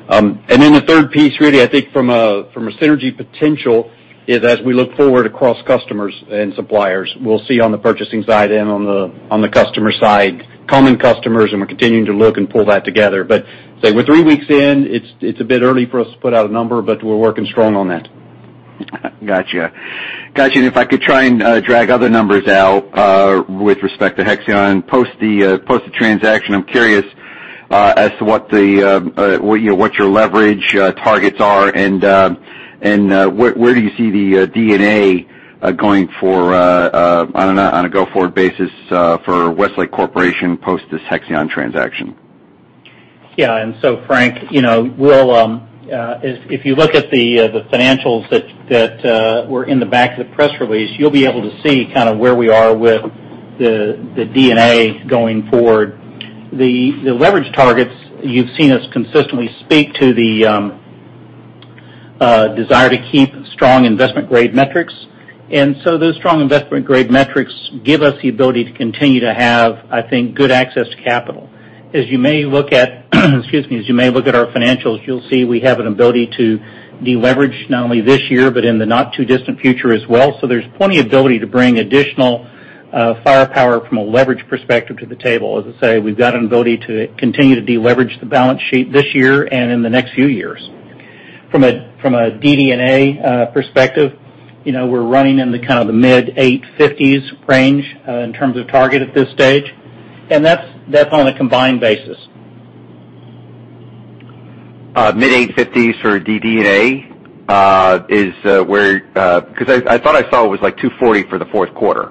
The third piece really I think from a synergy potential is as we look forward across customers and suppliers, we'll see on the purchasing side and on the customer side, common customers, and we're continuing to look and pull that together. Say, we're three weeks in, it's a bit early for us to put out a number, but we're working strong on that. Gotcha. If I could try and drag other numbers out with respect to Hexion post the transaction, I'm curious as to what you know your leverage targets are and where do you see the EBITDA going on a go-forward basis for Westlake Corporation post this Hexion transaction? Frank, you know, we'll if you look at the financials that were in the back of the press release, you'll be able to see kinda where we are with the D&A going forward. The leverage targets you've seen us consistently speak to the desire to keep strong investment grade metrics. Those strong investment grade metrics give us the ability to continue to have, I think, good access to capital. As you may look at our financials, you'll see we have an ability to deleverage not only this year, but in the not too distant future as well. There's plenty ability to bring additional firepower from a leverage perspective to the table. As I say, we've got an ability to continue to deleverage the balance sheet this year and in the next few years. From a DD&A perspective, you know, we're running in the kind of the mid-850s range in terms of target at this stage. That's on a combined basis. Mid-80s for DD&A is where 'cause I thought I saw it was like 240 for the Q4.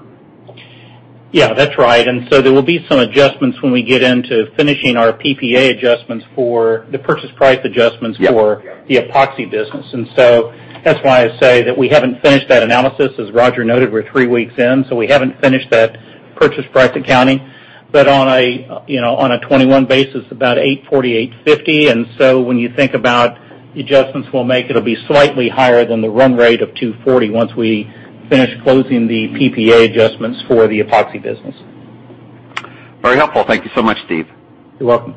Yeah, that's right. There will be some adjustments when we get into finishing our PPA adjustments for the purchase price adjustments- Yeah. For the Epoxy business. That's why I say that we haven't finished that analysis. As Roger noted, we're three weeks in, so we haven't finished that purchase price accounting. On a, you know, on a 2021 basis, about $840-$850. When you think about the adjustments we'll make, it'll be slightly higher than the run rate of $240 once we finish closing the PPA adjustments for the Epoxy business. Very helpful. Thank you so much, Steve. You're welcome.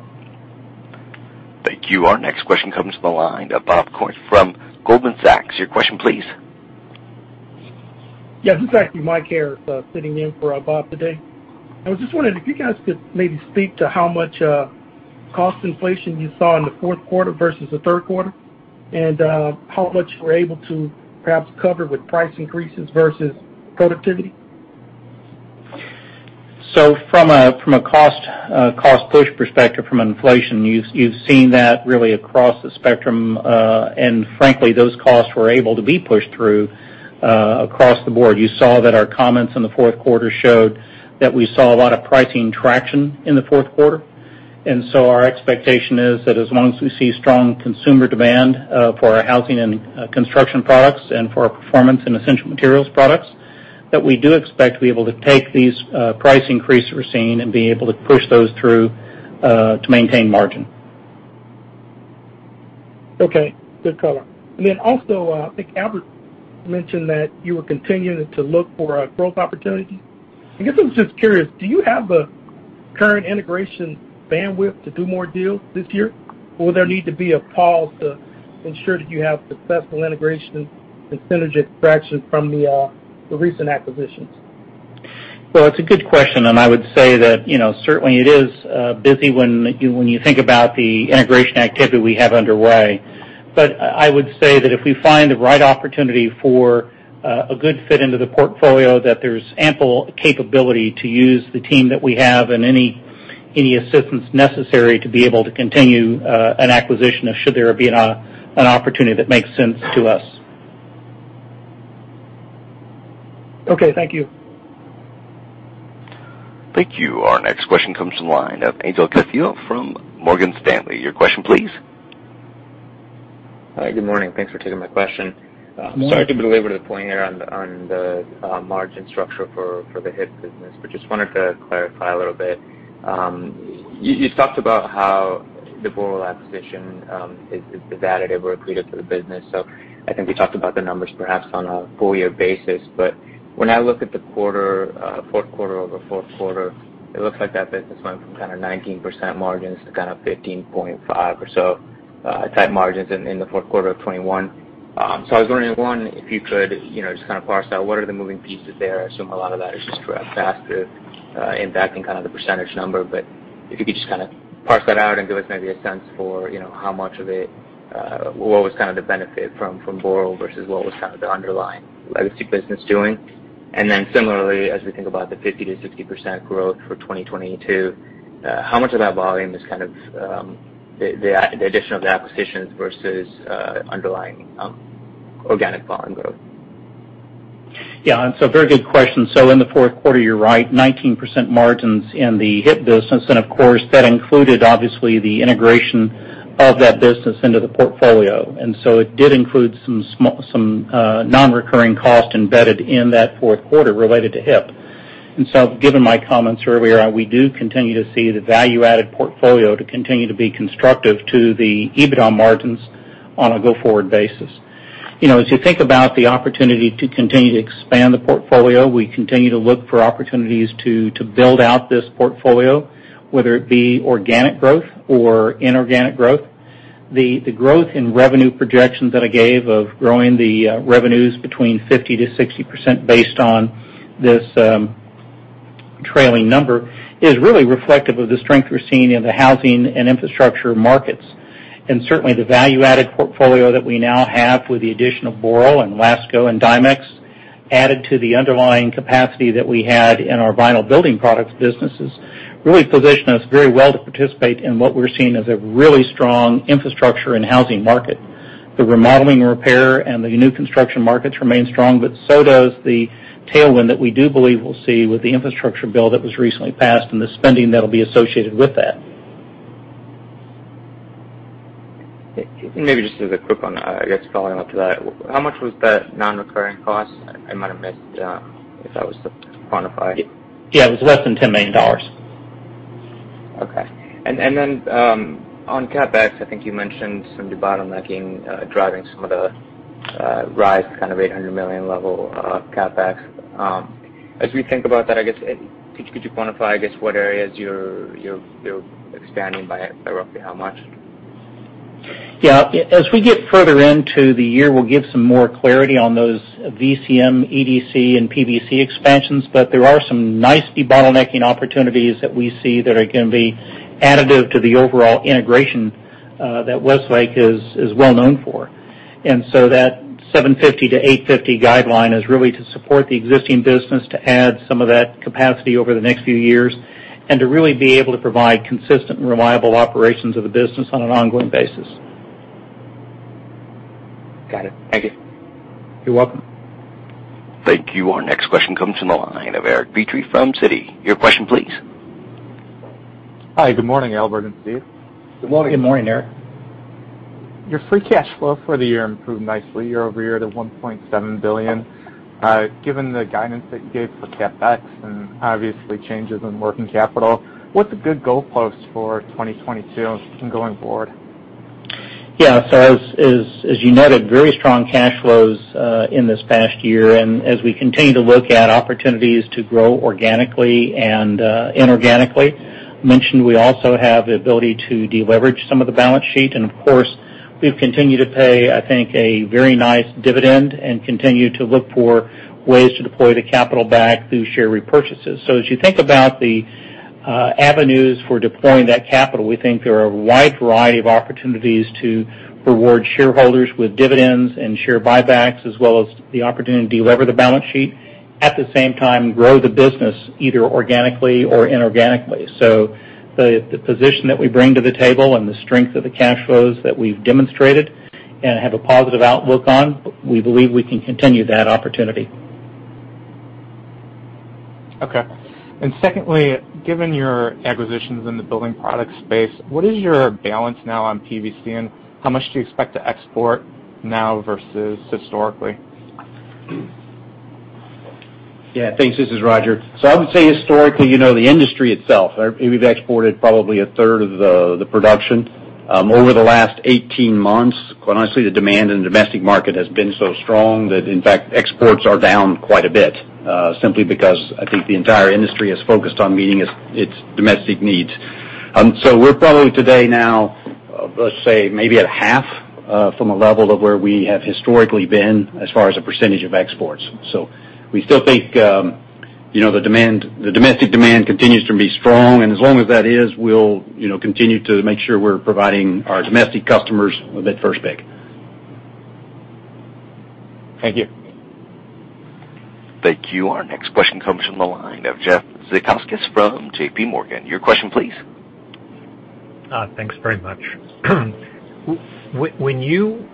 Thank you. Our next question comes from the line of Bob Koort from Goldman Sachs. Your question, please. Yeah. This is actually Mike here, sitting in for Bob today. I was just wondering if you guys could maybe speak to how much cost inflation you saw in the Q4 versus the Q3, and how much you were able to perhaps cover with price increases versus productivity? From a cost-push perspective from an inflation lens, you've seen that really across the spectrum. Frankly, those costs were able to be pushed through across the board. You saw that our comments in the Q4 showed that we saw a lot of pricing traction in the Q4. Our expectation is that as long as we see strong consumer demand for our Housing and Infrastructure Products and for our Performance and Essential Materials products, that we do expect to be able to take these price increases we're seeing and be able to push those through to maintain margin. Okay. Good color. I think Albert mentioned that you were continuing to look for growth opportunities. I guess I'm just curious, do you have the current integration bandwidth to do more deals this year? Or will there need to be a pause to ensure that you have successful integration and synergies from the recent acquisitions? Well, it's a good question, and I would say that, you know, certainly it is busy when you think about the integration activity we have underway. I would say that if we find the right opportunity for a good fit into the portfolio, that there's ample capability to use the team that we have and any assistance necessary to be able to continue an acquisition should there be an opportunity that makes sense to us. Okay. Thank you. Thank you. Our next question comes from the line of Vincent Andrews from Morgan Stanley. Your question please. Hi, good morning. Thanks for taking my question. Morning. Sorry to be a little bit to the point here on the margin structure for the HIP business. Just wanted to clarify a little bit. You talked about how the Boral acquisition is additive or accretive to the business. I think we talked about the numbers perhaps on a full year basis. When I look at the quarter, Q4 over Q4, it looks like that business went from kind of 19% margins to kind of 15.5 or so type margins in the Q4 of 2021. I was wondering, one, if you could, you know, just kind of parse out what are the moving pieces there. I assume a lot of that is just faster impacting kind of the percentage number. If you could just kind of parse that out and give us maybe a sense for, you know, how much of it, what was kind of the benefit from Boral versus what was kind of the underlying legacy business doing. Then similarly, as we think about the 50%-60% growth for 2022, how much of that volume is kind of, the addition of the acquisitions versus underlying organic volume growth? Yeah. Very good question. In the Q4, you're right, 19% margins in the HIP business. Of course, that included, obviously, the integration of that business into the portfolio. It did include some non-recurring costs embedded in that Q4 related to HIP. Given my comments earlier, we do continue to see the value-added portfolio to continue to be constructive to the EBITDA margins on a go-forward basis. You know, as you think about the opportunity to continue to expand the portfolio, we continue to look for opportunities to build out this portfolio, whether it be organic growth or inorganic growth. The growth in revenue projections that I gave of growing the revenues between 50%-60% based on this trailing number is really reflective of the strength we're seeing in the housing and infrastructure markets. Certainly, the value-added portfolio that we now have with the addition of Boral and LASCO and Dimex added to the underlying capacity that we had in our vinyl building products businesses really position us very well to participate in what we're seeing as a really strong infrastructure and housing market. The remodeling, repair, and the new construction markets remain strong, but so does the tailwind that we do believe we'll see with the infrastructure bill that was recently passed and the spending that'll be associated with that. Maybe just as a quick one, I guess, following up to that. How much was that non-recurring cost? I might have missed if that was quantified. Yeah, it was less than $10 million. Okay. On CapEx, I think you mentioned some debottlenecking driving some of the rise to kind of $800 million level CapEx. As we think about that, I guess, could you quantify, I guess, what areas you're expanding by roughly how much? Yeah. As we get further into the year, we'll give some more clarity on those VCM, EDC, and PVC expansions. There are some nice debottlenecking opportunities that we see that are gonna be additive to the overall integration that Westlake is well known for. That $750-$850 guideline is really to support the existing business to add some of that capacity over the next few years, and to really be able to provide consistent and reliable operations of the business on an ongoing basis. Got it. Thank you. You're welcome. Thank you. Our next question comes from the line of Eric Petrie from Citi. Your question please. Hi, good morning, Albert and Steve. Good morning. Good morning, Eric. Your free cash flow for the year improved nicely year-over-year to $1.7 billion. Given the guidance that you gave for CapEx and obviously changes in working capital, what's a good goalpost for 2022 and going forward? As you noted, very strong cash flows in this past year. As we continue to look at opportunities to grow organically and inorganically, I mentioned we also have the ability to deleverage some of the balance sheet. Of course, we've continued to pay, I think, a very nice dividend and continue to look for ways to deploy the capital back through share repurchases. As you think about the avenues for deploying that capital, we think there are a wide variety of opportunities to reward shareholders with dividends and share buybacks, as well as the opportunity to delever the balance sheet, at the same time, grow the business either organically or inorganically. The position that we bring to the table and the strength of the cash flows that we've demonstrated and have a positive outlook on, we believe we can continue that opportunity. Okay. Secondly, given your acquisitions in the building products space, what is your balance now on PVC, and how much do you expect to export now versus historically? Yeah. Thanks. This is Roger. I would say historically, you know, the industry itself, we've exported probably a third of the production. Over the last 18 months, quite honestly, the demand in the domestic market has been so strong that, in fact, exports are down quite a bit, simply because I think the entire industry is focused on meeting its domestic needs. We're probably today now, let's say maybe at half, from a level of where we have historically been as far as a percentage of exports. We still think, You know, the domestic demand continues to be strong. As long as that is, we'll, you know, continue to make sure we're providing our domestic customers with that first pick. Thank you. Thank you. Our next question comes from the line of Jeffrey Zekauskas from JPMorgan. Your question please. Thanks very much. When you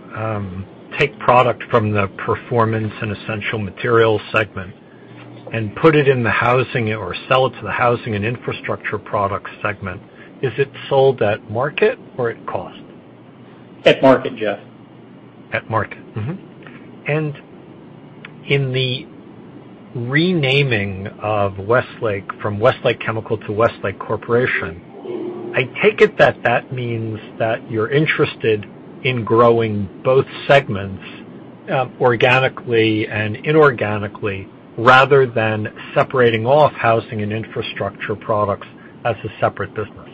take product from the Performance and Essential Materials segment and put it in the Housing or sell it to the Housing and Infrastructure Products segment, is it sold at market or at cost? At market, Jeff. At market. Mm-hmm. In the renaming of Westlake from Westlake Chemical to Westlake Corporation, I take it that that means that you're interested in growing both segments organically and inorganically rather than separating off Housing and Infrastructure Products as a separate business.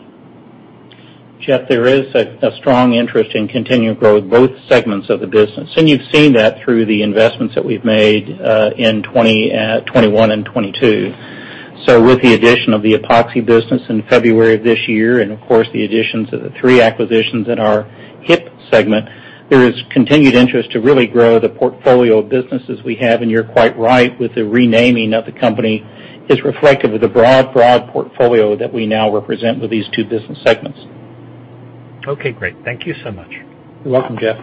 Jeff, there is a strong interest in continuing to grow both segments of the business, and you've seen that through the investments that we've made in 2021 and 2022. With the addition of the Epoxy business in February of this year and, of course, the additions of the three acquisitions in our HIP segment, there is continued interest to really grow the portfolio of businesses we have, and you're quite right, with the renaming of the company is reflective of the broad portfolio that we now represent with these two business segments. Okay. Great. Thank you so much. You're welcome, Jeff.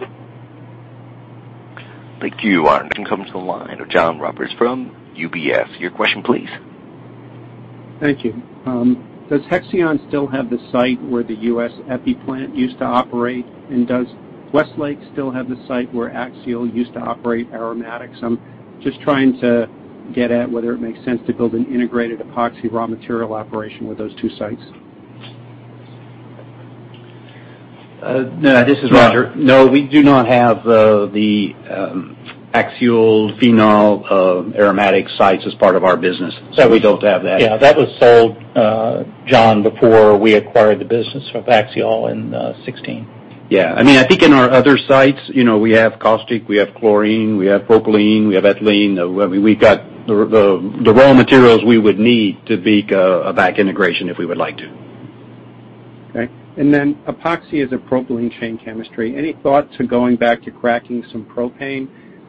Thank you. Our next question comes from the line of John Roberts from UBS. Your question please. Thank you. Does Hexion still have the site where the U.S. EPI plant used to operate, and does Westlake still have the site where Axiall used to operate aromatics? I'm just trying to get at whether it makes sense to build an integrated epoxy raw material operation with those two sites. No. This is Roger. No, we do not have the Axiall phenol aromatics sites as part of our business. We don't have that. Yeah, that was sold, John, before we acquired the business from Axiall in 2016. Yeah. I mean, I think in our other sites, you know, we have caustic, we have chlorine, we have propylene, we have ethylene. I mean, we've got the raw materials we would need to be a backward integration if we would like to. Okay. Epoxy is a propylene chain chemistry. Any thought to going back to cracking some propane,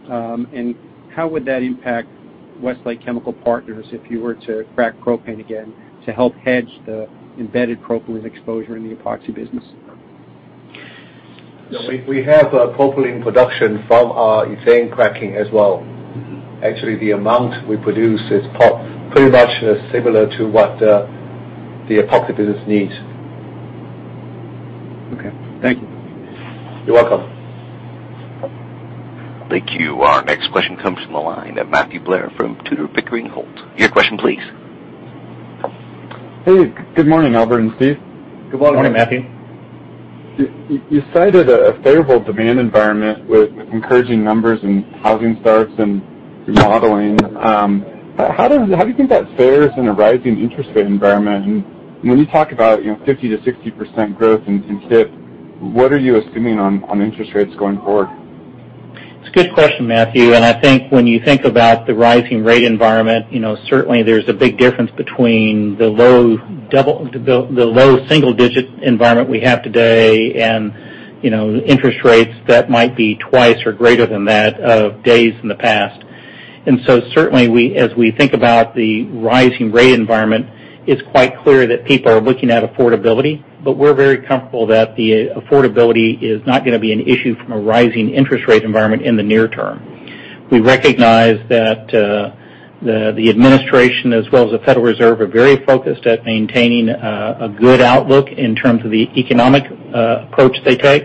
and how would that impact Westlake Chemical Partners if you were to crack propane again to help hedge the embedded propylene exposure in the Epoxy business? We have a propylene production from our ethane cracking as well. Actually, the amount we produce is pretty much similar to what the Epoxy business needs. Okay. Thank you. You're welcome. Thank you. Our next question comes from the line of Matthew Blair from Tudor, Pickering, Holt & Co. Your question please. Hey, good morning, Albert and Steve. Good morning. Morning, Matthew. You cited a favorable demand environment with encouraging numbers in housing starts and remodeling. How do you think that fares in a rising interest rate environment? When you talk about, you know, 50%-60% growth in HIP, what are you assuming on interest rates going forward? It's a good question, Matthew, and I think when you think about the rising rate environment, you know, certainly there's a big difference between the low single digit environment we have today and, you know, interest rates that might be twice or greater than that of days in the past. Certainly as we think about the rising rate environment, it's quite clear that people are looking at affordability, but we're very comfortable that the affordability is not gonna be an issue from a rising interest rate environment in the near term. We recognize that the administration as well as the Federal Reserve are very focused at maintaining a good outlook in terms of the economic approach they take.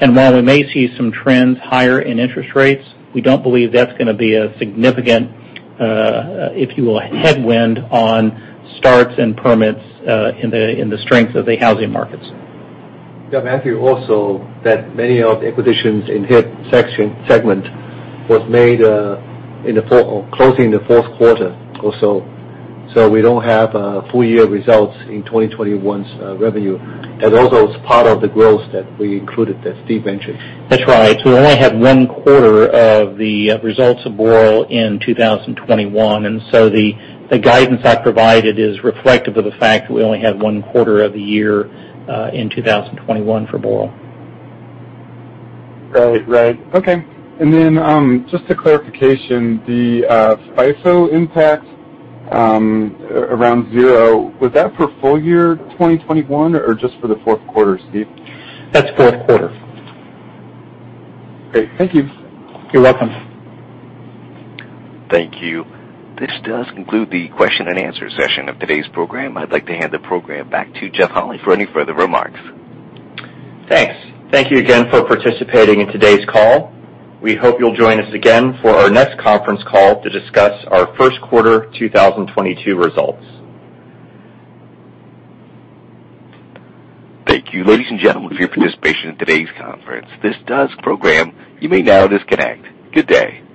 While we may see some trends higher in interest rates, we don't believe that's gonna be a significant, if you will, headwind on starts and permits in the strength of the housing markets. Yeah, Matthew, also that many of the acquisitions in HIP segment was made in the fall or closed in the Q4 also. We don't have full year results in 2021's revenue as well as part of the growth that we included that Steve mentioned. That's right. We only had one quarter of the results of Boral in 2021, and the guidance I provided is reflective of the fact that we only had one quarter of the year in 2021 for Boral. Right. Okay. Just a clarification. The FIFO impact around zero, was that for full year 2021 or just for the Q4, Steve? That's Q4. Great. Thank you. You're welcome. Thank you. This does conclude the Q&A session of today's program. I'd like to hand the program back to Jeff Holy for any further remarks. Thanks. Thank you again for participating in today's call. We hope you'll join us again for our next conference call to discuss our Q1 2022 results. Thank you, ladies and gentlemen, for your participation in today's conference. This concludes the program. You may now disconnect. Good day.